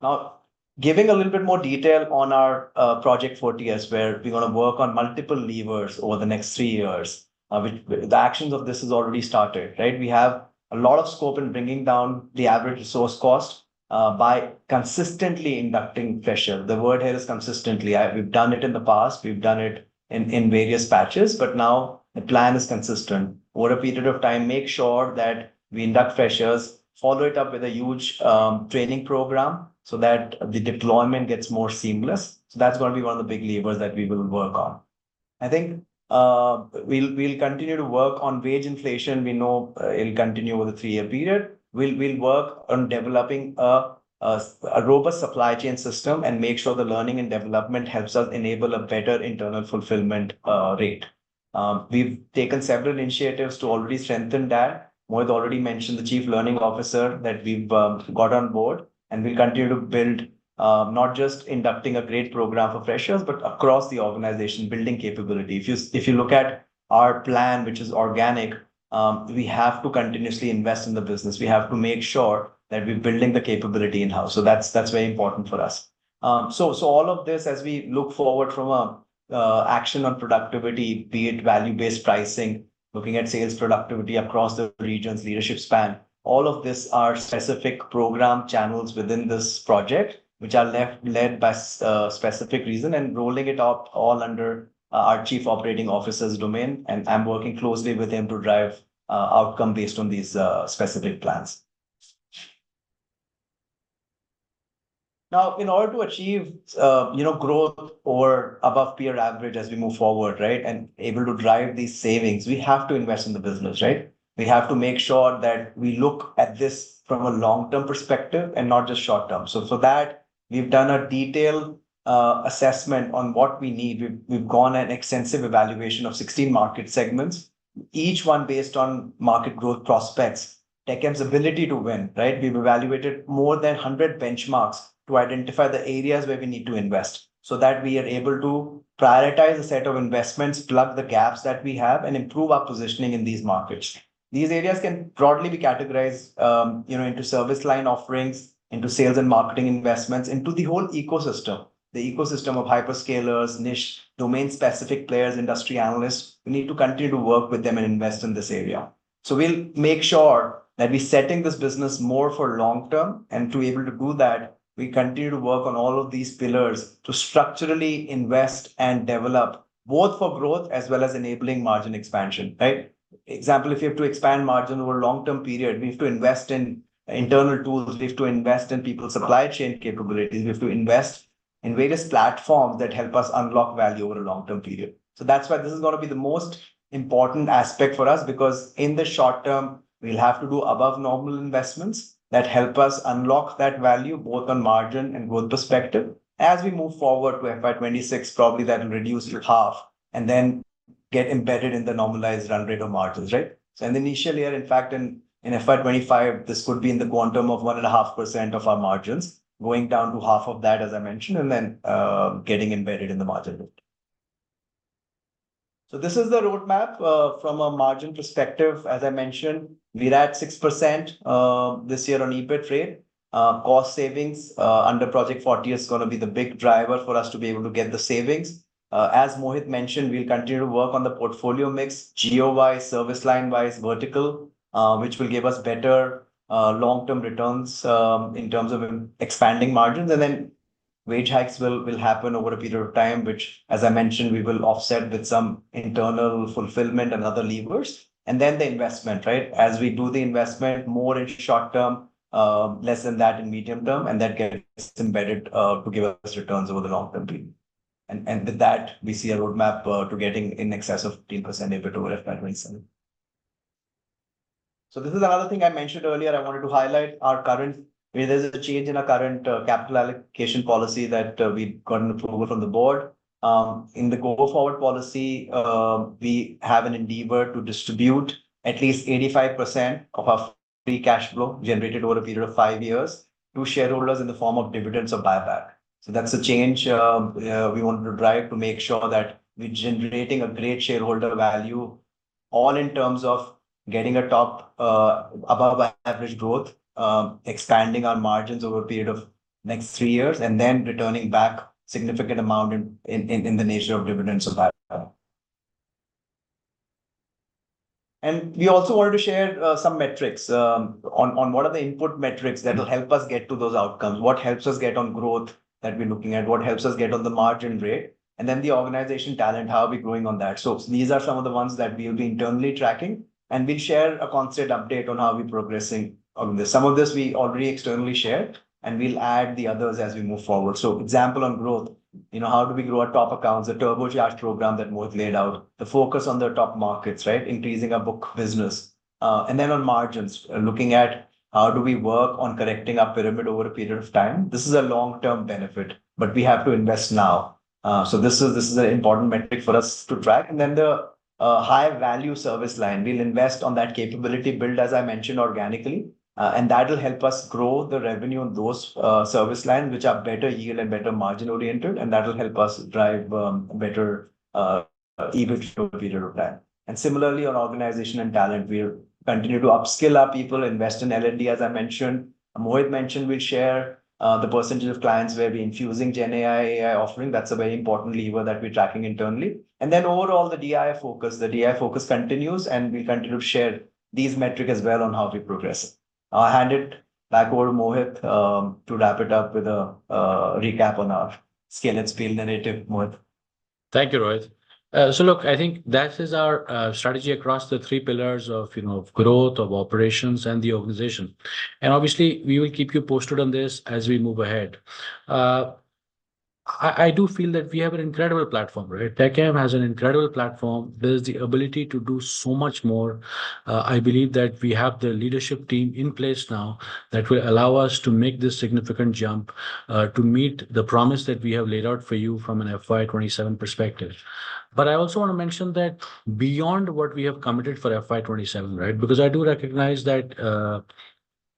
Now, giving a little bit more detail on our Project Fortius, where we're gonna work on multiple levers over the next three years. Which, the actions of this has already started, right? We have a lot of scope in bringing down the average resource cost by consistently inducting freshers. The word here is consistently. We've done it in the past, we've done it in various batches, but now the plan is consistent. Over a period of time, make sure that we induct freshers, follow it up with a huge training program so that the deployment gets more seamless. So that's gonna be one of the big levers that we will work on. I think, we'll continue to work on wage inflation. We know, it'll continue over the three-year period. We'll work on developing a robust supply chain system and make sure the learning and development helps us enable a better internal fulfillment rate. We've taken several initiatives to already strengthen that. Mohit already mentioned the Chief Learning Officer that we've got on board, and we'll continue to build, not just inducting a great program of freshers, but across the organization, building capability. If you look at our plan, which is organic, we have to continuously invest in the business. We have to make sure that we're building the capability in-house. So that's very important for us. So all of this, as we look forward from action on productivity, be it value-based pricing, looking at sales productivity across the regions leadership span, all of this are specific program channels within this project, which are led by a specific resource, and rolling it out all under our Chief Operating Officer's domain. And I'm working closely with him to drive outcome based on these specific plans. Now, in order to achieve, you know, growth or above peer average as we move forward, right, and able to drive these savings, we have to invest in the business, right? We have to make sure that we look at this from a long-term perspective and not just short-term. So for that, we've done a detailed assessment on what we need. We've gone an extensive evaluation of 16 market segments, each one based on market growth prospects, TechM's ability to win, right? We've evaluated more than 100 benchmarks to identify the areas where we need to invest, so that we are able to prioritize a set of investments, plug the gaps that we have, and improve our positioning in these markets. These areas can broadly be categorized, you know, into service line offerings, into sales and marketing investments, into the whole ecosystem. The ecosystem of hyperscalers, niche, domain-specific players, industry analysts. We need to continue to work with them and invest in this area. So we'll make sure that we're setting this business more for long term, and to be able to do that, we continue to work on all of these pillars to structurally invest and develop, both for growth as well as enabling margin expansion, right? Example, if you have to expand margin over a long-term period, we have to invest in internal tools. We have to invest in people's supply chain capabilities. We have to invest in various platforms that help us unlock value over a long-term period. So that's why this is gonna be the most important aspect for us, because in the short term, we'll have to do above normal investments that help us unlock that value, both on margin and growth perspective. As we move forward to FY 2026, probably that will reduce to half and then get embedded in the normalized run rate of margins, right? So in the initial year, in fact, in FY 2025, this could be in the quantum of 1.5% of our margins, going down to half of that, as I mentioned, and then getting embedded in the margin. So this is the roadmap from a margin perspective. As I mentioned, we're at 6% this year on EBIT rate. Cost savings under Project Fortius is gonna be the big driver for us to be able to get the savings. As Mohit mentioned, we'll continue to work on the portfolio mix, YoY, service line wise, vertical which will give us better long-term returns in terms of expanding margins. And then wage hikes will happen over a period of time, which, as I mentioned, we will offset with some internal fulfillment and other levers. And then the investment, right? As we do the investment, more in short term, less than that in medium term, and that gets embedded, to give us returns over the long term period. And with that, we see a roadmap, to getting in excess of 10% EBIT over FY 2027. So this is another thing I mentioned earlier. I wanted to highlight our current. There's a change in our current, capital allocation policy that, we've gotten approval from the board. In the go-forward policy, we have an endeavor to distribute at least 85% of our free cash flow generated over a period of five years to shareholders in the form of dividends or buyback. So that's a change, we want to drive to make sure that we're generating a great shareholder value, all in terms of getting a top, above average growth, expanding our margins over a period of next three years, and then returning back significant amount in the nature of dividends or buyback. And we also wanted to share some metrics on what are the input metrics that will help us get to those outcomes. What helps us get on growth that we're looking at? What helps us get on the margin rate? And then the organization talent, how are we growing on that? So these are some of the ones that we'll be internally tracking, and we'll share a constant update on how we're progressing on this. Some of this we already externally shared, and we'll add the others as we move forward. So example on growth, you know, how do we grow our top accounts? The Turbocharge program that Mohit laid out, the focus on their top markets, right? Increasing our book business. And then on margins, looking at how do we work on correcting our pyramid over a period of time. This is a long-term benefit, but we have to invest now. So this is an important metric for us to track. And then the high-value service line. We'll invest on that capability build, as I mentioned, organically, and that will help us grow the revenue on those service lines, which are better yield and better margin-oriented, and that will help us drive better EBIT over a period of time. And similarly, on organization and talent, we'll continue to upskill our people, invest in L&D, as I mentioned. Mohit mentioned we'll share the percentage of clients where we're infusing GenAI, AI offering. That's a very important lever that we're tracking internally. And then overall, the DEI focus. The DEI focus continues, and we'll continue to share these metric as well on how we progress. I'll hand it back over to Mohit, to wrap it up with a recap on our scale and speed narrative, Mohit. Thank you, Rohit. So look, I think that is our strategy across the three pillars of, you know, growth, of operations, and the organization. And obviously, we will keep you posted on this as we move ahead. I, I do feel that we have an incredible platform, right? TechM has an incredible platform. There's the ability to do so much more. I believe that we have the leadership team in place now that will allow us to make this significant jump to meet the promise that we have laid out for you from an FY 2027 perspective. But I also want to mention that beyond what we have committed for FY 2027, right? Because I do recognize that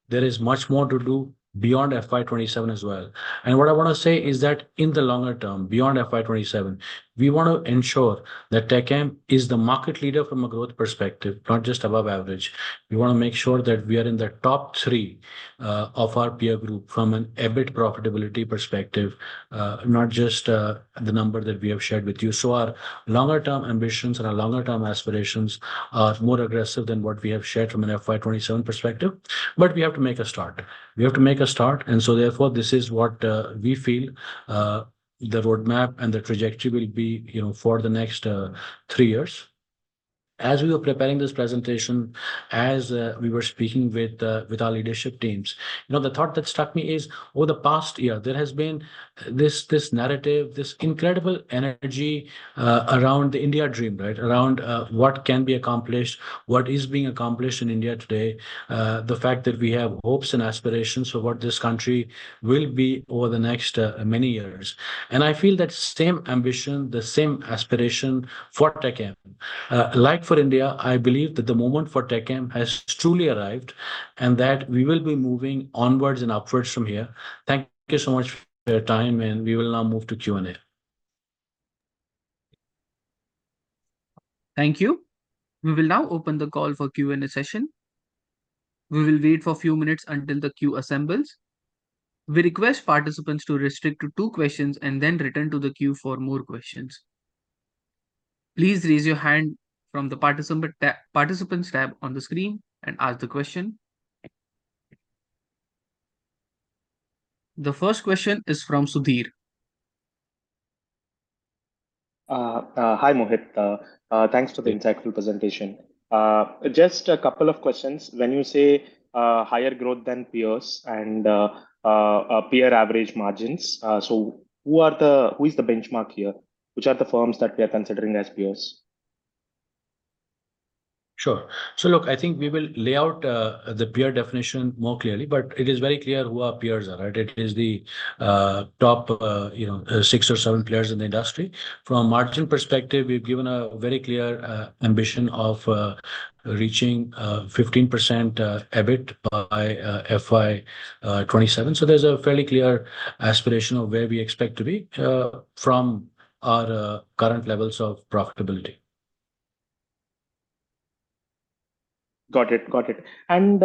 there is much more to do beyond FY 2027 as well. What I want to say is that in the longer term, beyond FY 2027, we want to ensure that TechM is the market leader from a growth perspective, not just above average. We want to make sure that we are in the top three of our peer group from an EBIT profitability perspective, not just the number that we have shared with you. Our longer-term ambitions and our longer-term aspirations are more aggressive than what we have shared from an FY 2027 perspective, but we have to make a start. We have to make a start, and so therefore, this is what we feel the roadmap and the trajectory will be, you know, for the next three years. As we were preparing this presentation, as, we were speaking with, with our leadership teams, you know, the thought that struck me is, over the past year, there has been this, this narrative, this incredible energy, around the India dream, right? Around, what can be accomplished, what is being accomplished in India today, the fact that we have hopes and aspirations for what this country will be over the next, many years. And I feel that same ambition, the same aspiration for TechM. Like for India, I believe that the moment for TechM has truly arrived, and that we will be moving onwards and upwards from here. Thank you so much for your time, and we will now move to Q&A. Thank you. We will now open the call for Q&A session. We will wait for a few minutes until the queue assembles. We request participants to restrict to two questions and then return to the queue for more questions. Please raise your hand from the participant tab, participants tab on the screen and ask the question. The first question is from Sudheer. Hi, Mohit. Thanks for the insightful presentation. Just a couple of questions. When you say higher growth than peers and peer average margins, so who are the, who is the benchmark here? Which are the firms that we are considering as peers? Sure. So look, I think we will lay out the peer definition more clearly, but it is very clear who our peers are, right? It is the top, you know, six or seven players in the industry. From a margin perspective, we've given a very clear ambition of reaching 15% EBIT by FY 2027. So there's a fairly clear aspiration of where we expect to be from our current levels of profitability. Got it. Got it. And,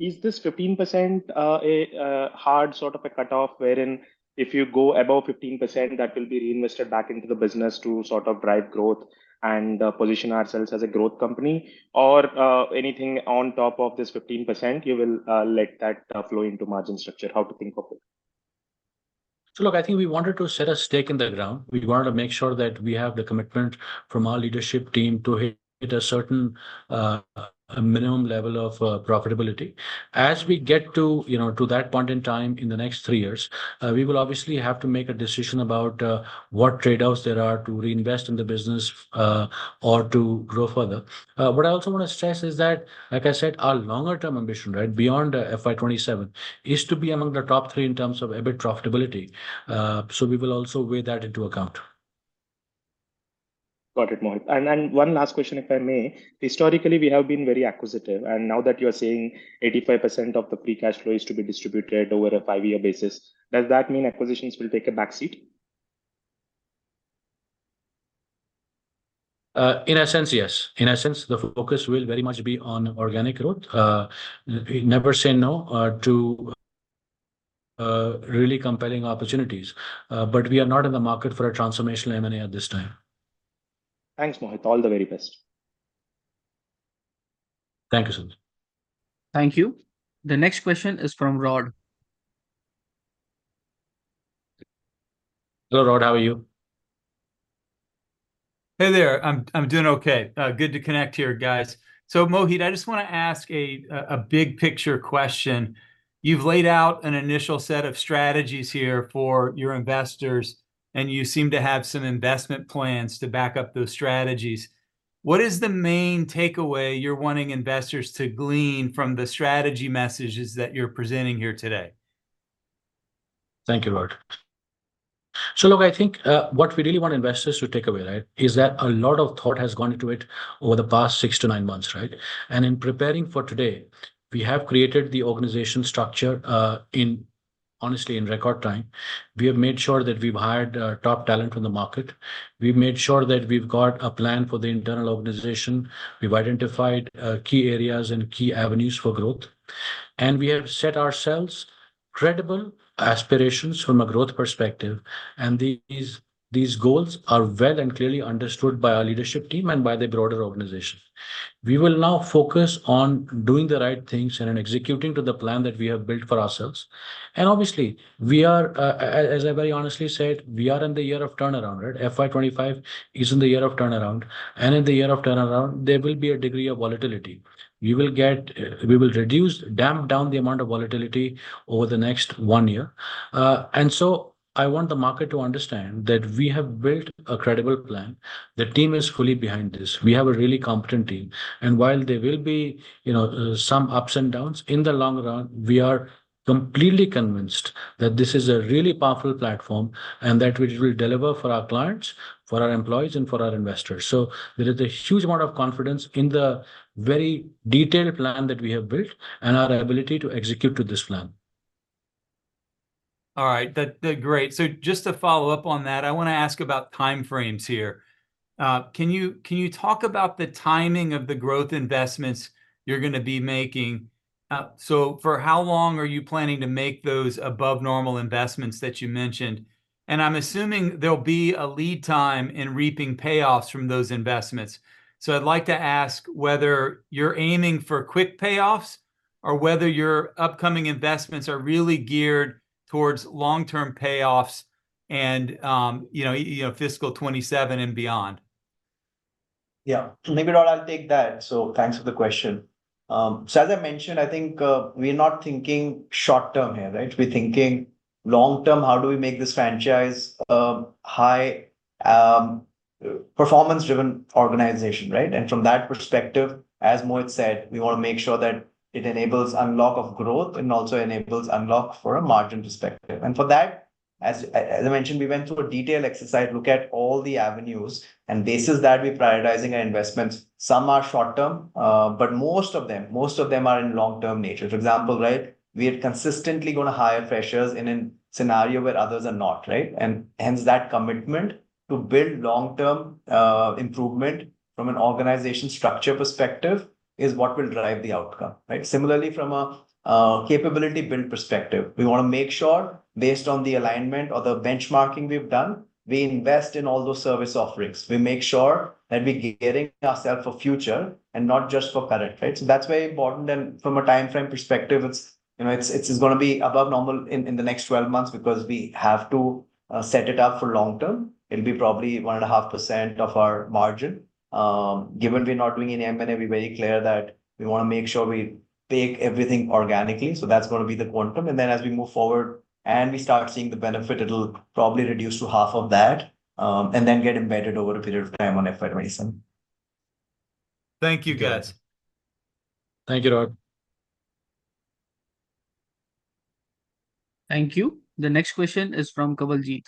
is this 15%, a hard sort of a cutoff, wherein if you go above 15%, that will be reinvested back into the business to sort of drive growth and position ourselves as a growth company? Or, anything on top of this 15%, you will let that flow into margin structure. How to think of it? So look, I think we wanted to set a stake in the ground. We wanted to make sure that we have the commitment from our leadership team to hit a certain, a minimum level of profitability. As we get to, you know, to that point in time in the next three years, we will obviously have to make a decision about what trade-offs there are to reinvest in the business or to grow further. What I also want to stress is that, like I said, our longer-term ambition, right, beyond FY 2027, is to be among the top three in terms of EBIT profitability. So we will also weigh that into account. Got it, Mohit. And then one last question, if I may. Historically, we have been very acquisitive, and now that you're saying 85% of the free cash flow is to be distributed over a five-year basis, does that mean acquisitions will take a backseat? In essence, yes. In essence, the focus will very much be on organic growth. We never say no to really compelling opportunities, but we are not in the market for a transformational M&A at this time. Thanks, Mohit. All the very best. Thank you, Sudheer. Thank you. The next question is from Rod. Hello, Rod. How are you? Hey there. I'm doing okay. Good to connect here, guys. So Mohit, I just want to ask a big-picture question. You've laid out an initial set of strategies here for your investors, and you seem to have some investment plans to back up those strategies. What is the main takeaway you're wanting investors to glean from the strategy messages that you're presenting here today? Thank you, Rod. So look, I think, what we really want investors to take away, right, is that a lot of thought has gone into it over the past 6-9 months, right? And in preparing for today, we have created the organization structure, in honestly, in record time. We have made sure that we've hired, top talent from the market. We've made sure that we've got a plan for the internal organization. We've identified, key areas and key avenues for growth, and we have set ourselves credible aspirations from a growth perspective, and these, these goals are well and clearly understood by our leadership team and by the broader organization. We will now focus on doing the right things and in executing to the plan that we have built for ourselves. And obviously, we are, as, as I very honestly said, we are in the year of turnaround, right? FY 2025 is in the year of turnaround, and in the year of turnaround, there will be a degree of volatility. We will get, we will reduce, damp down the amount of volatility over the next one year. And so I want the market to understand that we have built a credible plan. The team is fully behind this. We have a really competent team, and while there will be, you know, some ups and downs, in the long run, we are completely convinced that this is a really powerful platform and that which we will deliver for our clients, for our employees, and for our investors. There is a huge amount of confidence in the very detailed plan that we have built and our ability to execute to this plan. All right. That's great. So just to follow up on that, I want to ask about time frames here. Can you talk about the timing of the growth investments you're going to be making? So for how long are you planning to make those above-normal investments that you mentioned? And I'm assuming there'll be a lead time in reaping payoffs from those investments. So I'd like to ask whether you're aiming for quick payoffs or whether your upcoming investments are really geared towards long-term payoffs and, you know, fiscal 2027 and beyond. Yeah. Maybe, Rod, I'll take that. So thanks for the question. So as I mentioned, I think, we are not thinking short term here, right? We're thinking long term, how do we make this franchise a high, performance-driven organization, right? And from that perspective, as Mohit said, we want to make sure that it enables unlock of growth and also enables unlock for a margin perspective. And for that as I mentioned, we went through a detailed exercise to look at all the avenues, and this is that we're prioritizing our investments. Some are short-term, but most of them, most of them are in long-term nature. For example, right, we are consistently gonna hire freshers in a scenario where others are not, right? And hence, that commitment to build long-term improvement from an organization structure perspective is what will drive the outcome, right? Similarly, from a capability build perspective, we wanna make sure, based on the alignment or the benchmarking we've done, we invest in all those service offerings. We make sure that we're getting ourself a future and not just for current, right? So that's very important. From a timeframe perspective, it's, you know, it's gonna be above normal in the next 12 months because we have to set it up for long term. It'll be probably 1.5% of our margin. Given we're not doing any M&A, we're very clear that we wanna make sure we take everything organically, so that's gonna be the quantum. And then as we move forward and we start seeing the benefit, it'll probably reduce to half of that, and then get embedded over a period of time on FY 2027. Thank you, guys. Thank you, Rod. Thank you. The next question is from Kawaljeet.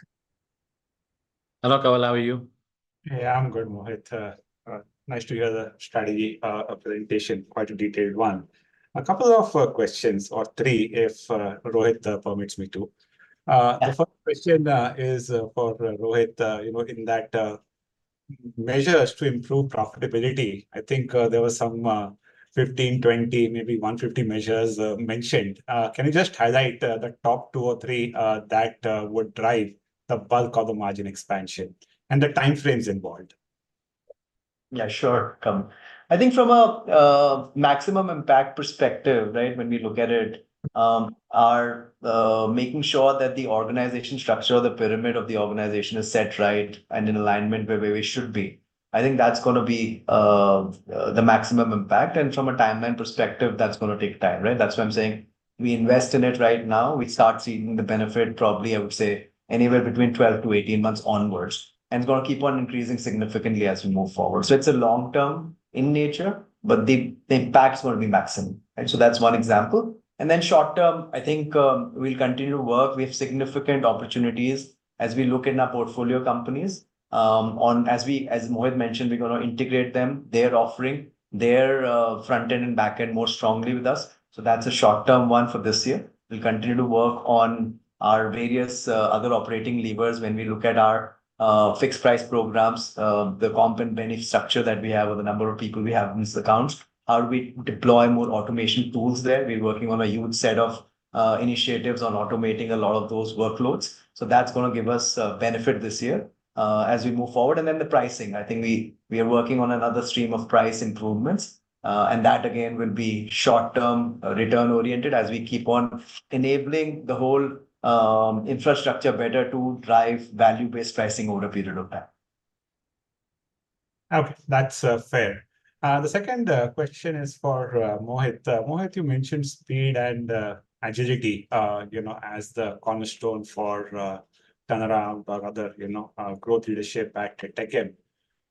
Hello, Kawal. How are you? Hey, I'm good, Mohit. Nice to hear the strategy presentation, quite a detailed one. A couple of questions, or three, if Rohit permits me to. Yes. The first question is for Rohit, you know, in that measures to improve profitability, I think, there was some 15, 20, maybe 150 measures mentioned. Can you just highlight the top two or three that would drive the bulk of the margin expansion, and the timeframes involved? Yeah, sure, Kawal. I think from a maximum impact perspective, right, when we look at it, our making sure that the organization structure or the pyramid of the organization is set right and in alignment where we should be. I think that's gonna be the maximum impact, and from a timeline perspective, that's gonna take time, right? That's why I'm saying we invest in it right now. We start seeing the benefit probably, I would say, anywhere between 12-18 months onwards, and it's gonna keep on increasing significantly as we move forward. So it's a long term in nature, but the impact's gonna be maximum, right? So that's one example. And then short term, I think, we'll continue to work. We have significant opportunities as we look in our portfolio companies. As Mohit mentioned, we're gonna integrate them, their offering, their front end and back end more strongly with us. So that's a short-term one for this year. We'll continue to work on our various other operating levers when we look at our fixed price programs, the comp and benefit structure that we have with the number of people we have in this account. How do we deploy more automation tools there? We're working on a huge set of initiatives on automating a lot of those workloads, so that's gonna give us a benefit this year, as we move forward. And then the pricing, I think we are working on another stream of price improvements. And that, again, will be short-term, return-oriented as we keep on enabling the whole infrastructure better to drive value-based pricing over a period of time. Okay, that's fair. The second question is for Mohit. Mohit, you mentioned speed and agility, you know, as the cornerstone for turnaround or other, you know, growth leadership back at TechM.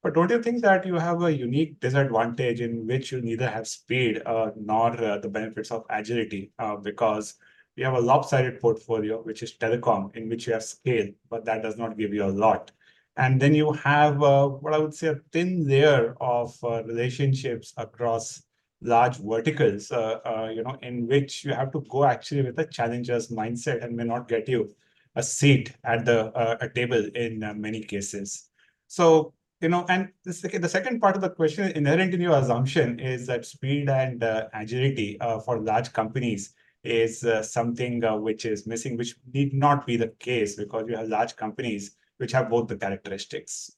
But don't you think that you have a unique disadvantage in which you neither have speed nor the benefits of agility? Because you have a lopsided portfolio, which is telecom, in which you have scale, but that does not give you a lot. And then you have what I would say, a thin layer of relationships across large verticals, you know, in which you have to go actually with a challenger's mindset and may not get you a seat at the table in many cases. So, you know, the second part of the question, inherent in your assumption, is that speed and agility for large companies is something which is missing, which need not be the case because you have large companies which have both the characteristics.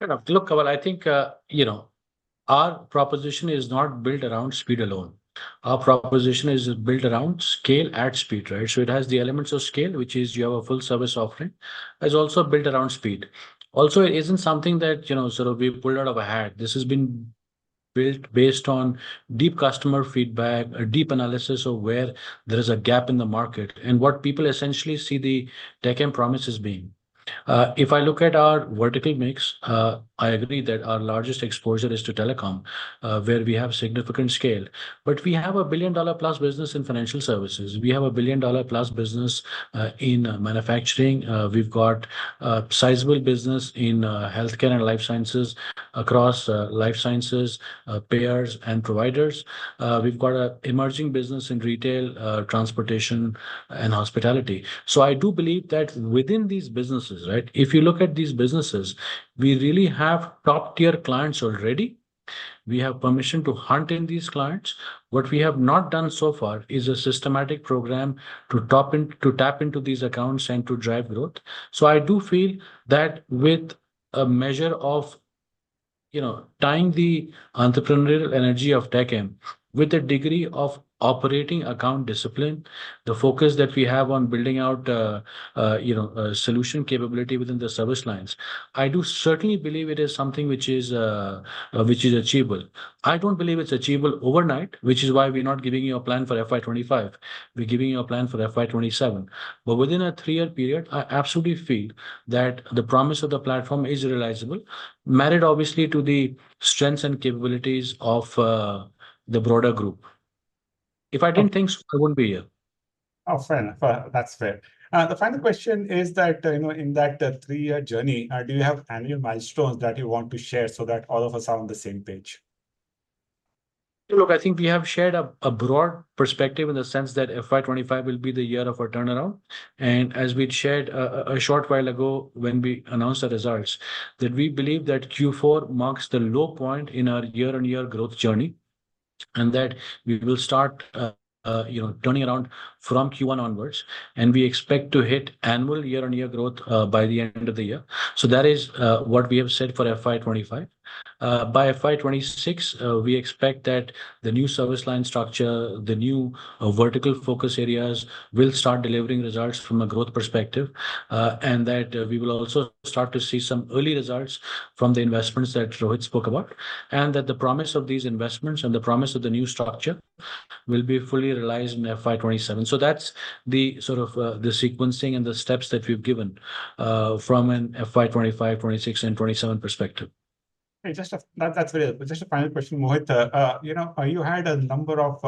You know, look, Kawal, I think, you know, our proposition is not built around speed alone. Our proposition is built around scale at speed, right? So it has the elements of scale, which is you have a full service offering. It's also built around speed. Also, it isn't something that, you know, sort of we pulled out of a hat. This has been built based on deep customer feedback, a deep analysis of where there is a gap in the market, and what people essentially see the TechM promise as being. If I look at our vertical mix, I agree that our largest exposure is to telecom, where we have significant scale. But we have a billion-dollar-plus business in financial services. We have a billion-dollar-plus business in manufacturing. We've got a sizable business in healthcare and life sciences across life sciences, payers, and providers. We've got a emerging business in retail, transportation, and hospitality. So I do believe that within these businesses, right, if you look at these businesses, we really have top-tier clients already. We have permission to hunt in these clients. What we have not done so far is a systematic program to tap into these accounts and to drive growth. So I do feel that with a measure of, you know, tying the entrepreneurial energy of TechM with a degree of operating account discipline, the focus that we have on building out, you know, solution capability within the service lines, I do certainly believe it is something which is achievable. I don't believe it's achievable overnight, which is why we're not giving you a plan for FY 2025. We're giving you a plan for FY 2027. But within a three-year period, I absolutely feel that the promise of the platform is realizable, married obviously to the strengths and capabilities of the broader group. If I didn't think so, I wouldn't be here. Oh, fair enough. That's fair. The final question is that, you know, in that three-year journey, do you have annual milestones that you want to share so that all of us are on the same page? Look, I think we have shared a broad perspective in the sense that FY 2025 will be the year of our turnaround. And as we'd shared, a short while ago when we announced the results, that we believe that Q4 marks the low point in our year-on-year growth journey, and that we will start, you know, turning around from Q1 onwards. And we expect to hit annual year-on-year growth by the end of the year. So that is, what we have said for FY 2025. By FY 2026, we expect that the new service line structure, the new vertical focus areas will start delivering results from a growth perspective, and that, we will also start to see some early results from the investments that Rohit spoke about. That the promise of these investments and the promise of the new structure will be fully realized in FY 2027. That's the sort of, the sequencing and the steps that we've given, from an FY 2025, FY 2026, and FY 2027 perspective. Hey, that's real. But just a final question, Mohit. You know, you had a number of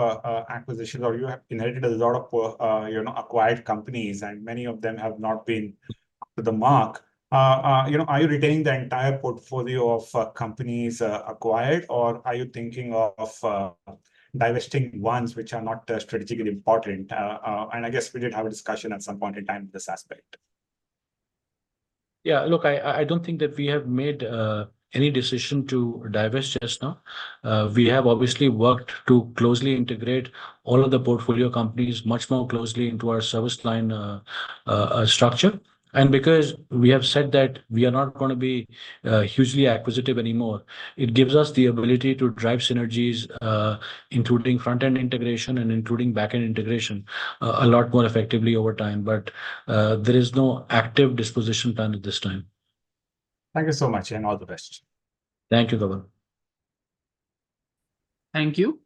acquisitions, or you have inherited a lot of acquired companies, and many of them have not been up to the mark. You know, are you retaining the entire portfolio of acquired companies, or are you thinking of divesting ones which are not strategically important? And I guess we did have a discussion at some point in time this aspect. Yeah, look, I, I don't think that we have made any decision to divest just now. We have obviously worked to closely integrate all of the portfolio companies much more closely into our service line structure. And because we have said that we are not gonna be hugely acquisitive anymore, it gives us the ability to drive synergies, including front-end integration and including back-end integration, a lot more effectively over time, but there is no active disposition plan at this time. Thank you so much, and all the best. Thank you, Kawal. Thank you.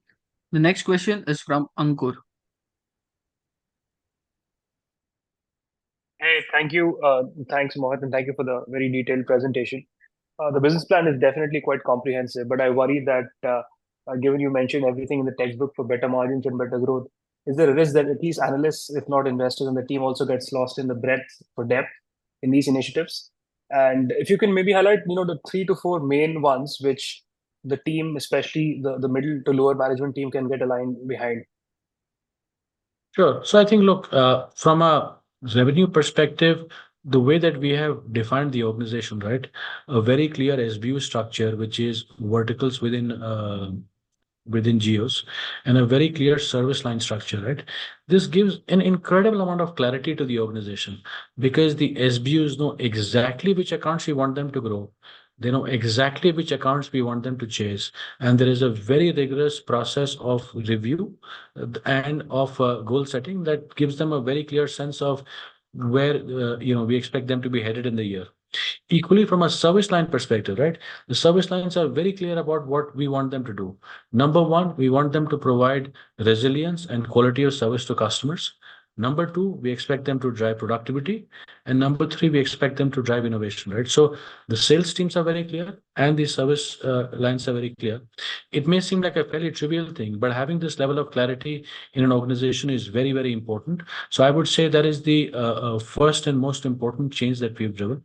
The next question is from Ankur. Hey, thank you. Thanks, Mohit, and thank you for the very detailed presentation. The business plan is definitely quite comprehensive, but I worry that, given you mentioned everything in the textbook for better margins and better growth, is there a risk that at least analysts, if not investors on the team, also gets lost in the breadth or depth in these initiatives? And if you can maybe highlight, you know, the three to four main ones which the team, especially the, the middle to lower management team, can get aligned behind. Sure. So I think, look, from a revenue perspective, the way that we have defined the organization, right, a very clear SBU structure, which is verticals within, within GEs, and a very clear service line structure, right? This gives an incredible amount of clarity to the organization, because the SBUs know exactly which accounts we want them to grow. They know exactly which accounts we want them to chase. And there is a very rigorous process of review and of goal setting that gives them a very clear sense of where, you know, we expect them to be headed in the year. Equally, from a service line perspective, right? The service lines are very clear about what we want them to do. Number one, we want them to provide resilience and quality of service to customers. Number two, we expect them to drive productivity. And number three, we expect them to drive innovation, right? So the sales teams are very clear, and the service lines are very clear. It may seem like a fairly trivial thing, but having this level of clarity in an organization is very, very important. So I would say that is the first and most important change that we've driven.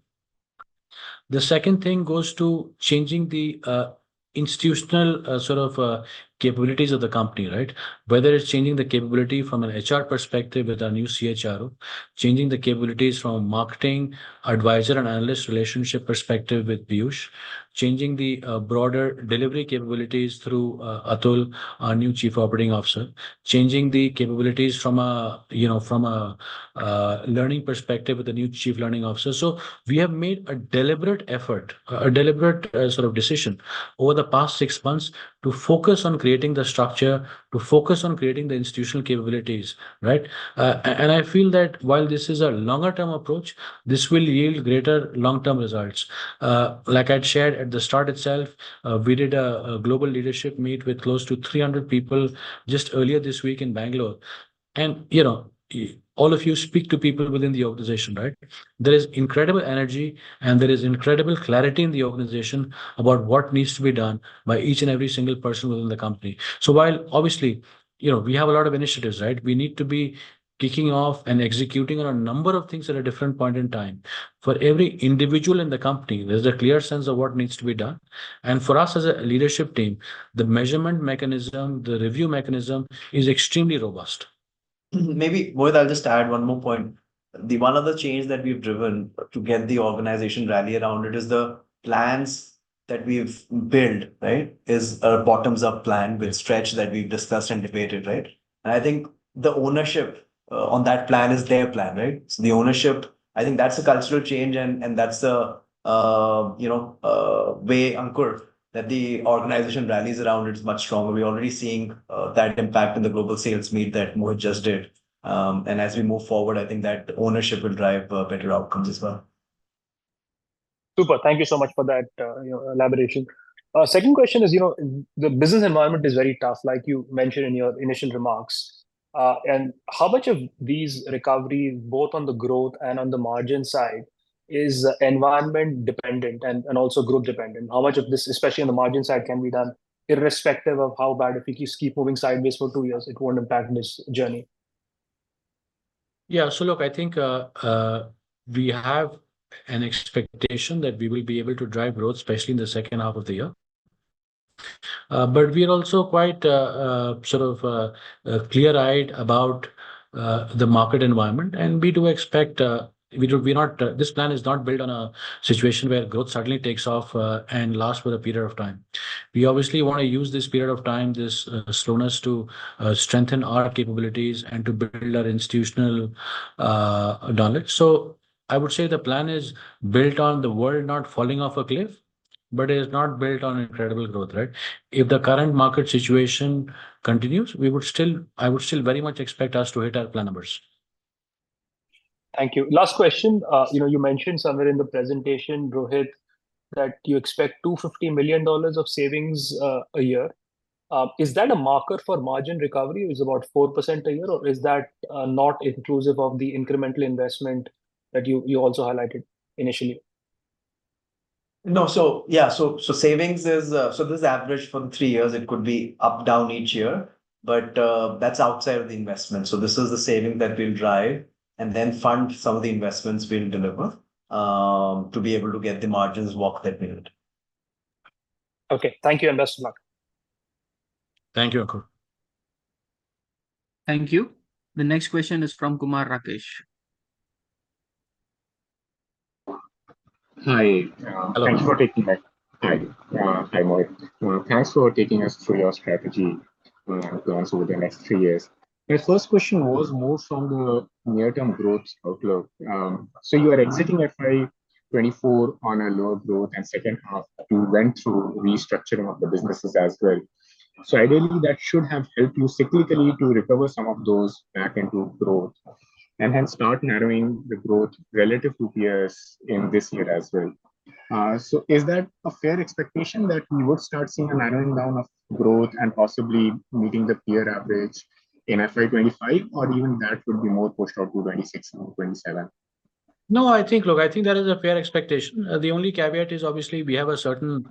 The second thing goes to changing the institutional sort of capabilities of the company, right? Whether it's changing the capability from an HR perspective with our new CHRO, changing the capabilities from a marketing advisor and analyst relationship perspective with Peeyush, changing the broader delivery capabilities through Atul, our new Chief Operating Officer, changing the capabilities from a, you know, from a learning perspective with the new Chief Learning Officer. So we have made a deliberate effort, a deliberate sort of decision over the past six months to focus on creating the structure, to focus on creating the institutional capabilities, right? And I feel that while this is a longer-term approach, this will yield greater long-term results. Like I'd shared at the start itself, we did a global leadership meet with close to 300 people just earlier this week in Bangalore. And, you know, all of you speak to people within the organization, right? There is incredible energy, and there is incredible clarity in the organization about what needs to be done by each and every single person within the company. So while obviously, you know, we have a lot of initiatives, right? We need to be kicking off and executing on a number of things at a different point in time. For every individual in the company, there's a clear sense of what needs to be done, and for us as a leadership team, the measurement mechanism, the review mechanism is extremely robust. Maybe, Mohit, I'll just add one more point. The one other change that we've driven to get the organization rallied around it is the plans that we've built, right? Is a bottoms-up plan with stretch that we've discussed and debated, right? And I think the ownership on that plan is their plan, right? So the ownership, I think that's a cultural change, and and that's a, you know, a way, Ankur, that the organization rallies around it is much stronger. We're already seeing that impact in the global sales meet that Mohit just did. And as we move forward, I think that ownership will drive better outcomes as well. Super. Thank you so much for that, you know, elaboration. Second question is, you know, the business environment is very tough, like you mentioned in your initial remarks. And how much of these recovery, both on the growth and on the margin side, is environment dependent and also group dependent? How much of this, especially on the margin side, can be done irrespective of how bad, if we keep moving sideways for two years, it won't impact this journey? Yeah. So look, I think, we have an expectation that we will be able to drive growth, especially in the second half of the year. But we are also quite, sort of, clear-eyed about the market environment, and we do expect, we're not, this plan is not built on a situation where growth suddenly takes off, and lasts for a period of time. We obviously wanna use this period of time, this slowness, to strengthen our capabilities and to build our institutional knowledge. So I would say the plan is built on the world not falling off a cliff, but it is not built on incredible growth, right? If the current market situation continues, we would still, I would still very much expect us to hit our plan numbers. Thank you. Last question. You know, you mentioned somewhere in the presentation, Rohit, that you expect $250 million of savings a year. Is that a marker for margin recovery, is about 4% a year, or is that not inclusive of the incremental investment that you also highlighted initially? No. So, yeah, so, so savings is. So this is average for the three years. It could be up, down each year, but that's outside of the investment. So this is the saving that we'll drive and then fund some of the investments we'll deliver to be able to get the margins walk that we need. Okay. Thank you, and best of luck. Thank you, Ankur. Thank you. The next question is from Kumar Rakesh. Hi. Hello. Thanks for taking that. Hi. Hi, Mohit. Thanks for taking us through your strategy, plans over the next three years. My first question was more from the near-term growth outlook. So you are exiting FY 2024 on a low growth, and second half you went through restructuring of the businesses as well. So ideally, that should have helped you significantly to recover some of those back into growth, and then start narrowing the growth relative to peers in this year as well. So is that a fair expectation, that we would start seeing a narrowing down of growth and possibly meeting the peer average in FY 2025, or even that would be more pushed out to FY 2026 or FY 2027? No, I think, Look, I think that is a fair expectation. The only caveat is, obviously, we have a certain,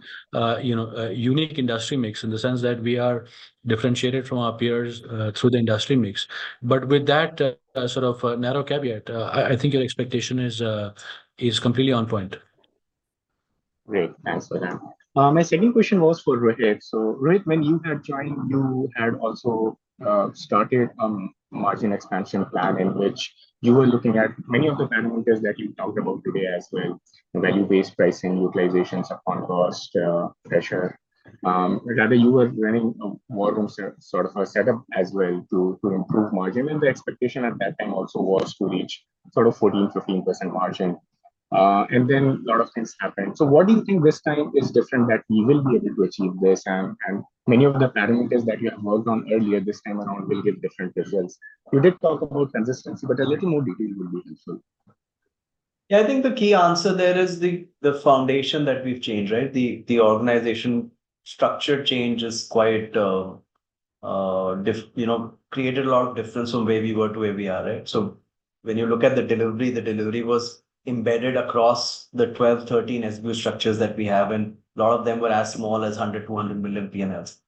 you know, unique industry mix, in the sense that we are differentiated from our peers through the industry mix. But with that, sort of, narrow caveat, I think your expectation is completely on point. Great. Thanks for that. My second question was for Rohit. So Rohit, when you had joined, you had also started a margin expansion plan in which you were looking at many of the parameters that you talked about today as well: value-based pricing, utilization, supply cost, pressure. Rather, you were running a more sort of a setup as well to improve margin, and the expectation at that time also was to reach sort of 14%-15% margin. And then a lot of things happened. So what do you think this time is different that you will be able to achieve this? And many of the parameters that you have worked on earlier this time around will give different results. You did talk about consistency, but a little more detail would be helpful. Yeah, I think the key answer there is the foundation that we've changed, right? The organization structure change is quite different, you know, created a lot of difference from where we were to where we are, right? So when you look at the delivery, the delivery was embedded across the 12, 13 SBU structures that we have, and a lot of them were as small as 100, 200 million PNLs.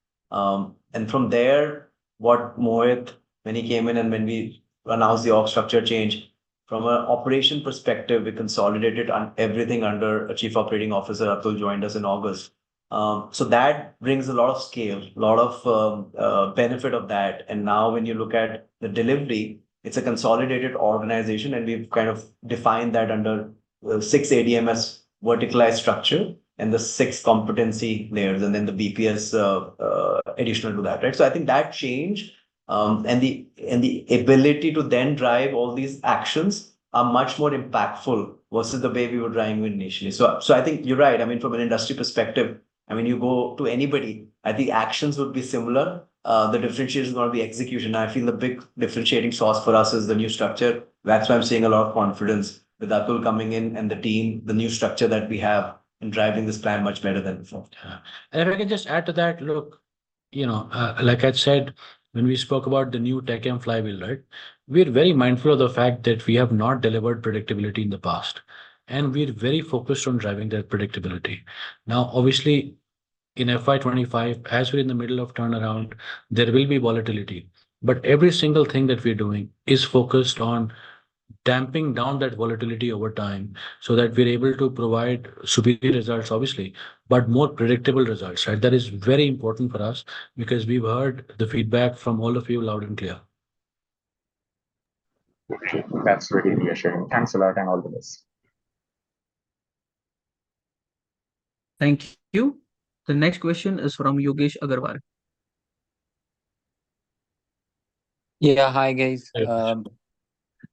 And from there, what Mohit, when he came in and when we announced the org structure change, from an operation perspective, we consolidated everything under a Chief Operating Officer. Atul joined us in August. So that brings a lot of scale, a lot of benefit of that. Now when you look at the delivery, it's a consolidated organization, and we've kind of defined that under the six ADMS verticalized structure and the six competency layers, and then the BPS, additional to that, right? So I think that change and the ability to then drive all these actions are much more impactful versus the way we were driving it initially. So I think you're right. I mean, from an industry perspective, I mean, you go to anybody, I think actions would be similar. The differentiation is gonna be execution. I feel the big differentiating source for us is the new structure. That's why I'm seeing a lot of confidence with Atul coming in and the team, the new structure that we have in driving this plan much better than before. Yeah. And if I can just add to that, look, you know, like I said, when we spoke about the new TechM flywheel, right? We're very mindful of the fact that we have not delivered predictability in the past, and we're very focused on driving that predictability. Now, obviously, in FY 2025, as we're in the middle of turnaround, there will be volatility, but every single thing that we're doing is focused on damping down that volatility over time, so that we're able to provide superior results, obviously, but more predictable results, right? That is very important for us because we've heard the feedback from all of you loud and clear. Okay. That's really reassuring. Thanks a lot, and all the best. Thank you. The next question is from Yogesh Aggarwal. Yeah. Hi, guys. Hey.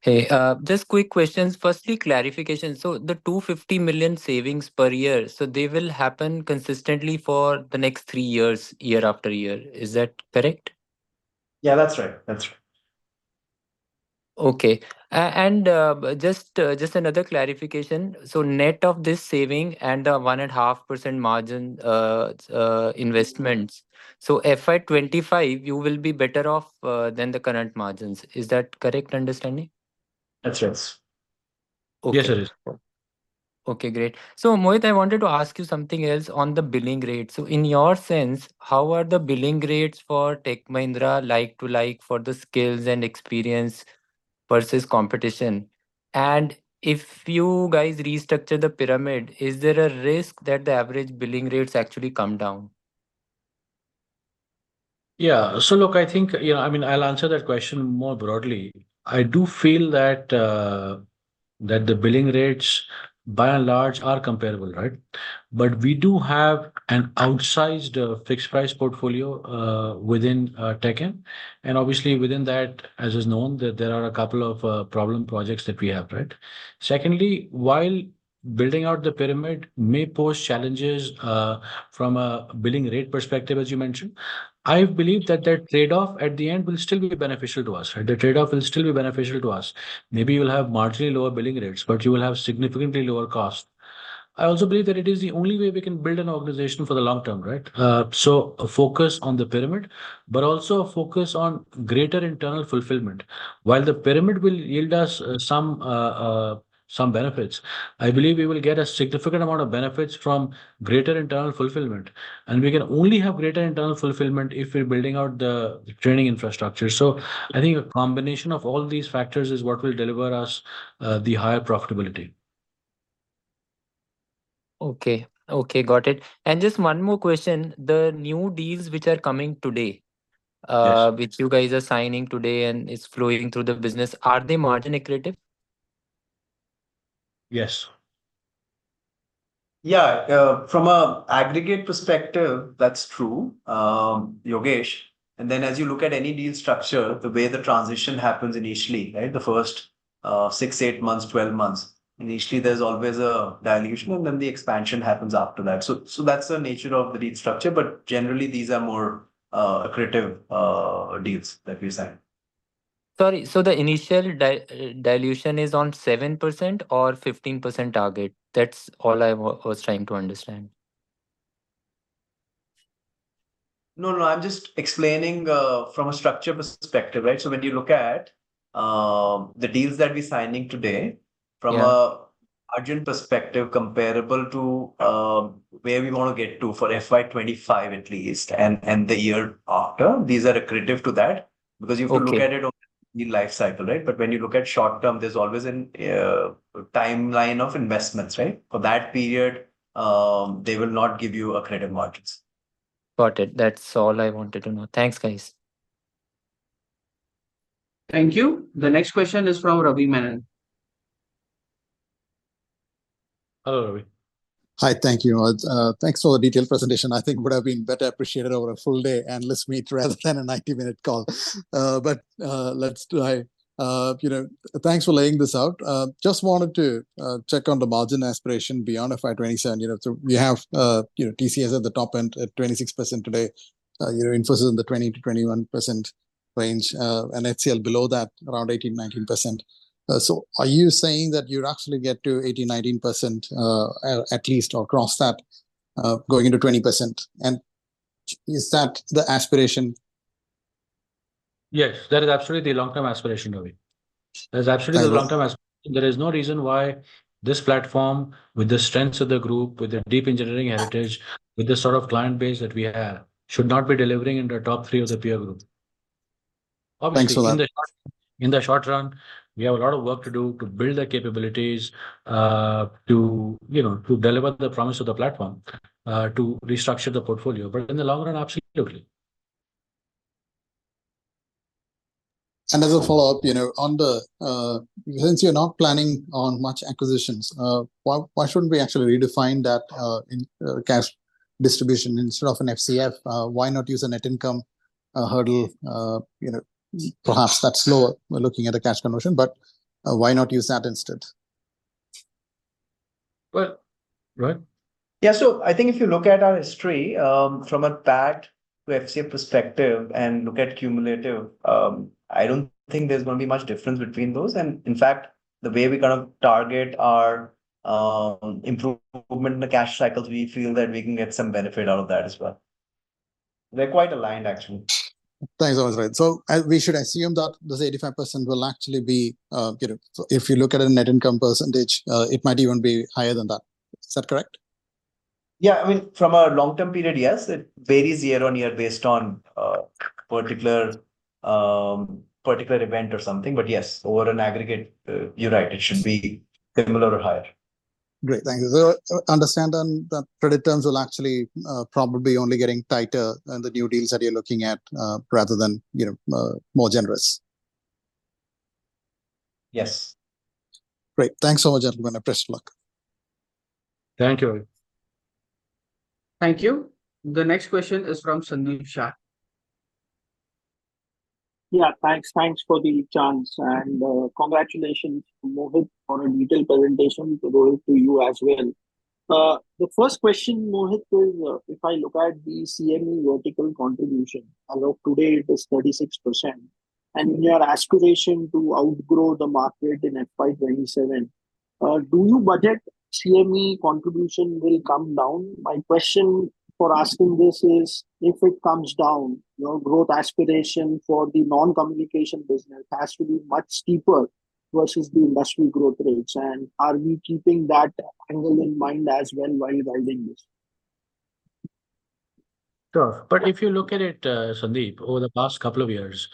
Hey, just quick questions. Firstly, clarification: so the $250 million savings per year, so they will happen consistently for the next three years, year after year. Is that correct? Yeah, that's right. That's right. Okay. And just another clarification. So net of this saving and 1.5% margin investments, so FY 2025 you will be better off than the current margins. Is that correct understanding? That's right. Yes, it is. Okay, great. So Mohit, I wanted to ask you something else on the billing rate. So in your sense, how are the billing rates for Tech Mahindra like to like for the skills and experience versus competition? And if you guys restructure the pyramid, is there a risk that the average billing rates actually come down? Yeah. So look, I think, you know, I mean, I'll answer that question more broadly. I do feel that that the billing rates by and large are comparable, right? But we do have an outsized, fixed price portfolio, within, TechM. And obviously within that, as is known, that there are a couple of, problem projects that we have, right? Secondly, while building out the pyramid may pose challenges, from a billing rate perspective, as you mentioned, I believe that that trade-off at the end will still be beneficial to us, right? The trade-off will still be beneficial to us. Maybe you will have marginally lower billing rates, but you will have significantly lower cost. I also believe that it is the only way we can build an organization for the long term, right? So a focus on the pyramid, but also a focus on greater internal fulfillment. While the pyramid will yield us, some benefits, I believe we will get a significant amount of benefits from greater internal fulfillment. And we can only have greater internal fulfillment if we're building out the training infrastructure. So I think a combination of all these factors is what will deliver us, the higher profitability. Okay. Okay, got it. Just one more question. The new deals which are coming today. Yes. which you guys are signing today and is flowing through the business, are they margin accretive? Yes. Yeah. From a aggregate perspective, that's true, Yogesh. And then as you look at any deal structure, the way the transition happens initially, right? The first, 6, 8 months, 12 months, initially there's always a dilution, and then the expansion happens after that. So, so that's the nature of the deal structure, but generally these are more, accretive, deals that we sign. Sorry, so the initial dilution is on 7% or 15% target? That's all I was trying to understand. No, no, I'm just explaining from a structure perspective, right? So when you look at the deals that we're signing today. Yeah from a margin perspective comparable to, where we want to get to for FY 2025, at least, and the year after, these are accretive to that, because you've- Okay,. looked at it over the life cycle, right? But when you look at short term, there's always a timeline of investments, right? For that period, they will not give you accretive margins. Got it. That's all I wanted to know. Thanks, guys. Thank you. The next question is from Ravi Menon. Hello, Ravi. Hi. Thank you, Mohit. Thanks for the detailed presentation. I think it would have been better appreciated over a full day analyst meet rather than a 90-minute call. But let's try. You know, thanks for laying this out. Just wanted to check on the margin aspiration beyond FY 2027. You know, so we have TCS at the top end at 26% today, you know, Infosys in the 20%-21% range, and HCL below that, around 18%-19%. So are you saying that you'd actually get to 18%-19%, at least, or cross that, going into 20%? And is that the aspiration? Yes, that is absolutely the long-term aspiration, Ravi. There's absolutely the long-term aspiration. There is no reason why this platform, with the strengths of the group, with the deep engineering heritage, with the sort of client base that we have, should not be delivering in the top three of the peer group. Thanks a lot. Obviously, in the short run, we have a lot of work to do to build the capabilities, to, you know, to deliver the promise of the platform, to restructure the portfolio. But in the long run, absolutely. As a follow-up, you know, on the, since you're not planning on much acquisitions, why, why shouldn't we actually redefine that, in, cash distribution? Instead of an FCF, why not use a net income, hurdle? You know, perhaps that's lower when looking at the cash conversion, but, why not use that instead? Well, Rohit? Yeah. So I think if you look at our history, from a PAT to FCF perspective and look at cumulative, I don't think there's going to be much difference between those. And in fact, the way we're gonna target our, improvement in the cash cycles, we feel that we can get some benefit out of that as well. They're quite aligned, actually. Thanks, Rohit. So we should assume that this 85% will actually be, you know, so if you look at a net income percentage, it might even be higher than that. Is that correct? Yeah. I mean, from a long-term period, yes, it varies year-on-year based on particular particular event or something, but yes, over an aggregate, you're right, it should be similar or higher. Great. Thank you. So understand then that credit terms will actually, probably only getting tighter in the new deals that you're looking at, rather than, you know, more generous? Yes. Great. Thanks a lot, gentlemen, and best of luck. Thank you, Ravi. Thank you. The next question is from Sandeep Shah. Yeah, thanks. Thanks for the chance, and, congratulations, Mohit, on a detailed presentation to go to you as well. The first question, Mohit, is, if I look at the CME vertical contribution, as of today it is 46%, and in your aspiration to outgrow the market in FY 2027, do you budget CME contribution will come down? My question for asking this is, if it comes down, your growth aspiration for the non-communication business has to be much steeper versus the industry growth rates. And are we keeping that angle in mind as well while guiding this? Sure. But if you look at it, Sandeep, over the past couple of years,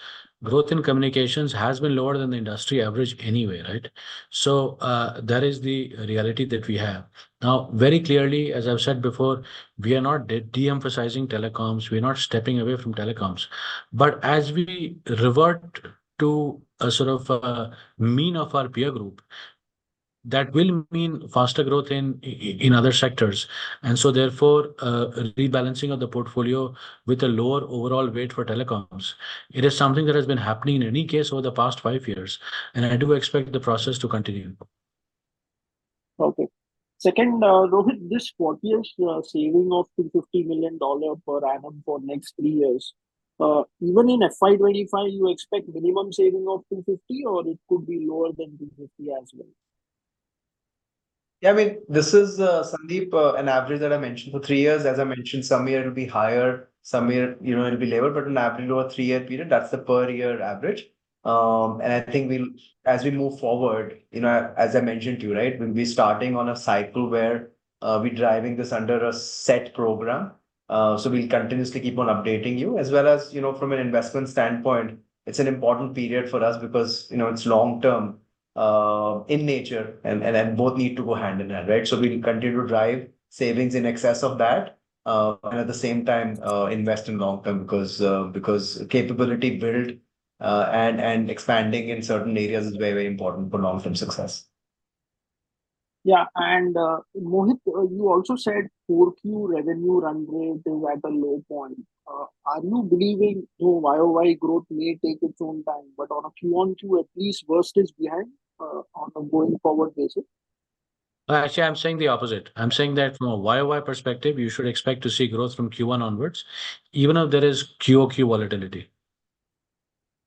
growth in communications has been lower than the industry average anyway, right? So, that is the reality that we have. Now, very clearly, as I've said before, we are not de-emphasizing telecoms, we're not stepping away from telecoms. But as we revert to a sort of mean of our peer group, that will mean faster growth in other sectors, and so therefore, a rebalancing of the portfolio with a lower overall weight for telecoms. It is something that has been happening in any case over the past five years, and I do expect the process to continue. Okay. Second, Mohit, this fourth year, saving of $250 million per item for next three years, even in FY 2025, you expect minimum saving of $250 million or it could be lower than $250 million as well? Yeah, I mean, this is, Sandeep, an average that I mentioned for three years. As I mentioned, some year it'll be higher, some year, you know, it'll be lower, but an average over a three-year period, that's the per year average. And I think we'll, as we move forward, you know, as I mentioned to you, right, we'll be starting on a cycle where we're driving this under a set program. So we'll continuously keep on updating you. As well as, you know, from an investment standpoint, it's an important period for us because, you know, it's long term in nature, and both need to go hand-in-hand, right? So we continue to drive savings in excess of that, and at the same time, invest in long-term because capability build, and expanding in certain areas is very, very important for long-term success. Yeah. And, Mohit, you also said 4Q revenue run rate is at a low point. Are you believing, you know, YoY growth may take its own time, but on a QoQ at least worst is behind, on a going forward basis? Actually, I'm saying the opposite. I'm saying that from a YoY perspective, you should expect to see growth from Q1 onwards, even if there is QoQ volatility.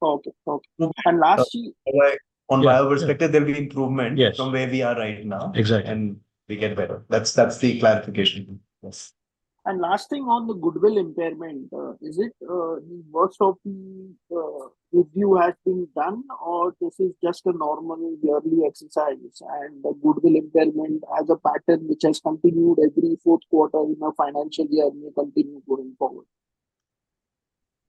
Okay. Okay. And lastly. On YoY perspective, there'll be improvement Yes. from where we are right now Exactly. and we get better. That's, that's the clarification. Yes. Last thing on the goodwill impairment, is it the worst of the review has been done or this is just a normal yearly exercise, and the goodwill impairment as a pattern which has continued every fourth quarter in our financial year and will continue going forward?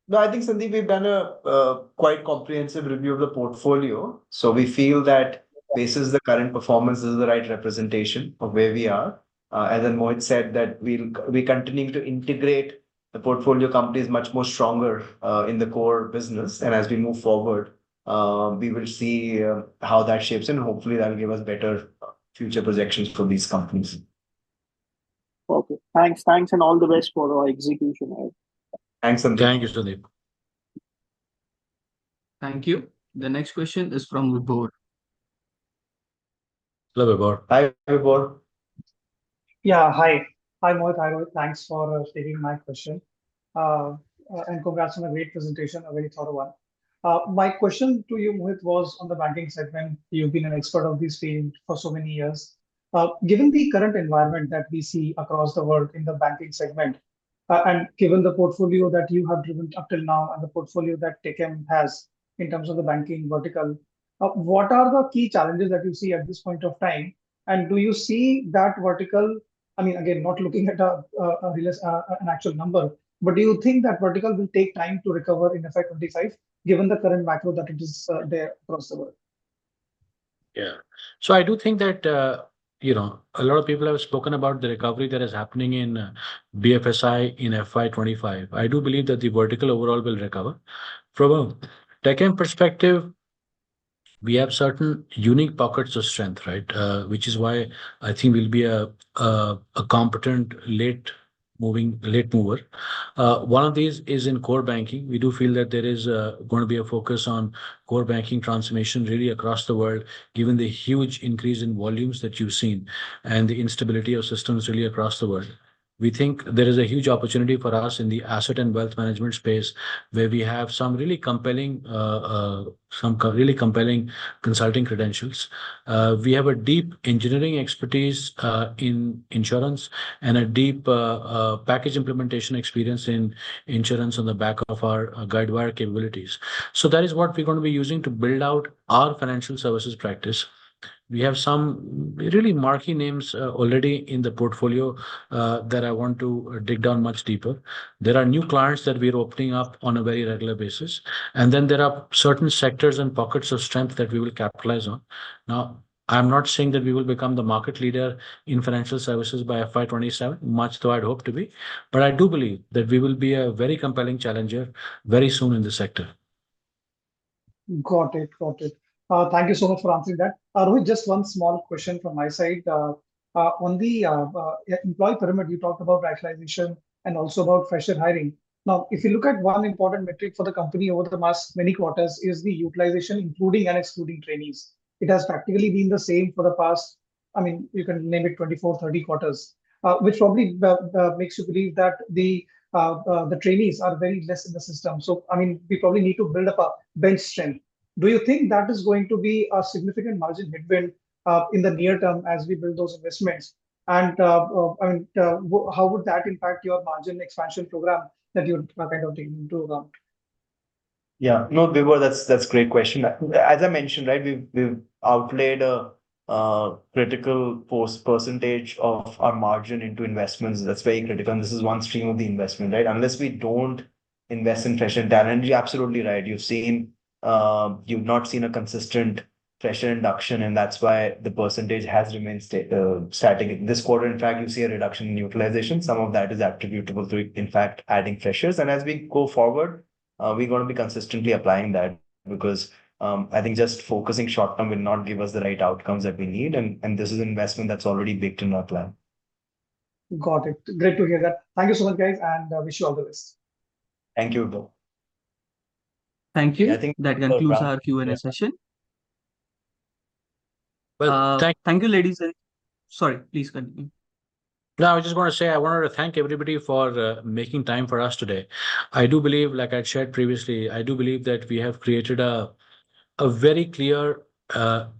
No, I think, Sandeep, we've done a quite comprehensive review of the portfolio. So we feel that this is the current performance, this is the right representation of where we are. As Mohit said, we're continuing to integrate the portfolio companies much more stronger in the core business. And as we move forward, we will see how that shapes in, and hopefully that'll give us better future projections from these companies. Okay. Thanks. Thanks, and all the best for our execution. Thanks, Sandeep. Thank you, Sandeep. Thank you. The next question is from Vibhor. Hello, Vibhor. Hi, Vibhor. Yeah, hi. Hi, Mohit. Hi, thanks for taking my question. And congrats on a great presentation, a very thorough one. My question to you, Mohit, was on the banking segment. You've been an expert of this field for so many years. Given the current environment that we see across the world in the banking segment, and given the portfolio that you have driven up till now and the portfolio that TechM has in terms of the banking vertical, what are the key challenges that you see at this point of time? And do you see that vertical, I mean, again, not looking at a, a release, an actual number, but do you think that vertical will take time to recover in effect on this side, given the current macro that it is, there across the world? Yeah. So I do think that, you know, a lot of people have spoken about the recovery that is happening in, BFSI in FY 2025. I do believe that the vertical overall will recover. From a TechM perspective, we have certain unique pockets of strength, right? Which is why I think we'll be a competent late moving, late mover. One of these is in core banking. We do feel that there is going to be a focus on core banking transformation really across the world, given the huge increase in volumes that you've seen and the instability of systems really across the world. We think there is a huge opportunity for us in the asset and wealth management space, where we have some really compelling consulting credentials. We have a deep engineering expertise in insurance, and a deep package implementation experience in insurance on the back of our Guidewire capabilities. So that is what we're gonna be using to build out our financial services practice. We have some really marquee names already in the portfolio that I want to dig down much deeper. There are new clients that we are opening up on a very regular basis, and then there are certain sectors and pockets of strength that we will capitalize on. Now, I'm not saying that we will become the market leader in financial services by FY 2027, much though I'd hope to be, but I do believe that we will be a very compelling challenger very soon in the sector. Got it. Got it. Thank you so much for answering that. Mohit, just one small question from my side. On the employee pyramid, you talked about rationalization and also about fresher hiring. Now, if you look at one important metric for the company over the last many quarters is the utilization, including and excluding trainees. It has practically been the same for the past, I mean, you can name it 24, 30 quarters. Which probably makes you believe that the trainees are very less in the system. So, I mean, we probably need to build up our bench strength. Do you think that is going to be a significant margin headwind in the near term as we build those investments? I mean, how would that impact your margin expansion program that you're kind of taking into account? Yeah. No, Vibhor, that's a great question. As I mentioned, right, we've outlaid a critical percentage of our margin into investments. That's very critical, and this is one stream of the investment, right? Unless we don't invest in fresher talent, you're absolutely right. You've seen. You've not seen a consistent fresher induction, and that's why the percentage has remained static. This quarter, in fact, you see a reduction in utilization. Some of that is attributable to, in fact, adding freshers. And as we go forward, we're gonna be consistently applying that because I think just focusing short-term will not give us the right outcomes that we need, and this is investment that's already baked in our plan. Got it. Great to hear that. Thank you so much, guys, and wish you all the best. Thank you, Vibhor. Thank you. I think. That concludes our Q&A session. Well, thank. Thank you, ladies and. Sorry, please continue. No, I just wanna say, I wanted to thank everybody for making time for us today. I do believe, like I shared previously, I do believe that we have created a very clear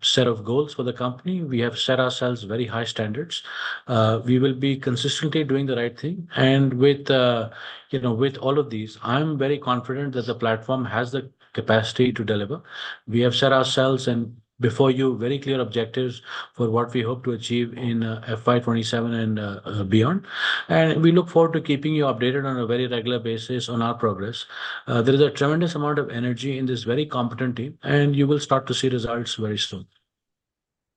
set of goals for the company. We have set ourselves very high standards. We will be consistently doing the right thing. And with, you know, with all of these, I'm very confident that the platform has the capacity to deliver. We have set ourselves, and before you, very clear objectives for what we hope to achieve in FY 2027 and beyond. And we look forward to keeping you updated on a very regular basis on our progress. There is a tremendous amount of energy in this very competent team, and you will start to see results very soon.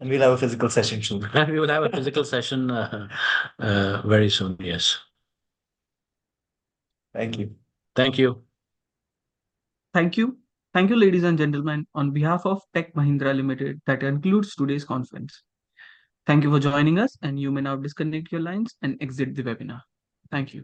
We'll have a physical session soon. We will have a physical session, very soon, yes. Thank you. Thank you. Thank you. Thank you, ladies and gentlemen. On behalf of Tech Mahindra Limited, that concludes today's conference. Thank you for joining us, and you may now disconnect your lines and exit the webinar. Thank you.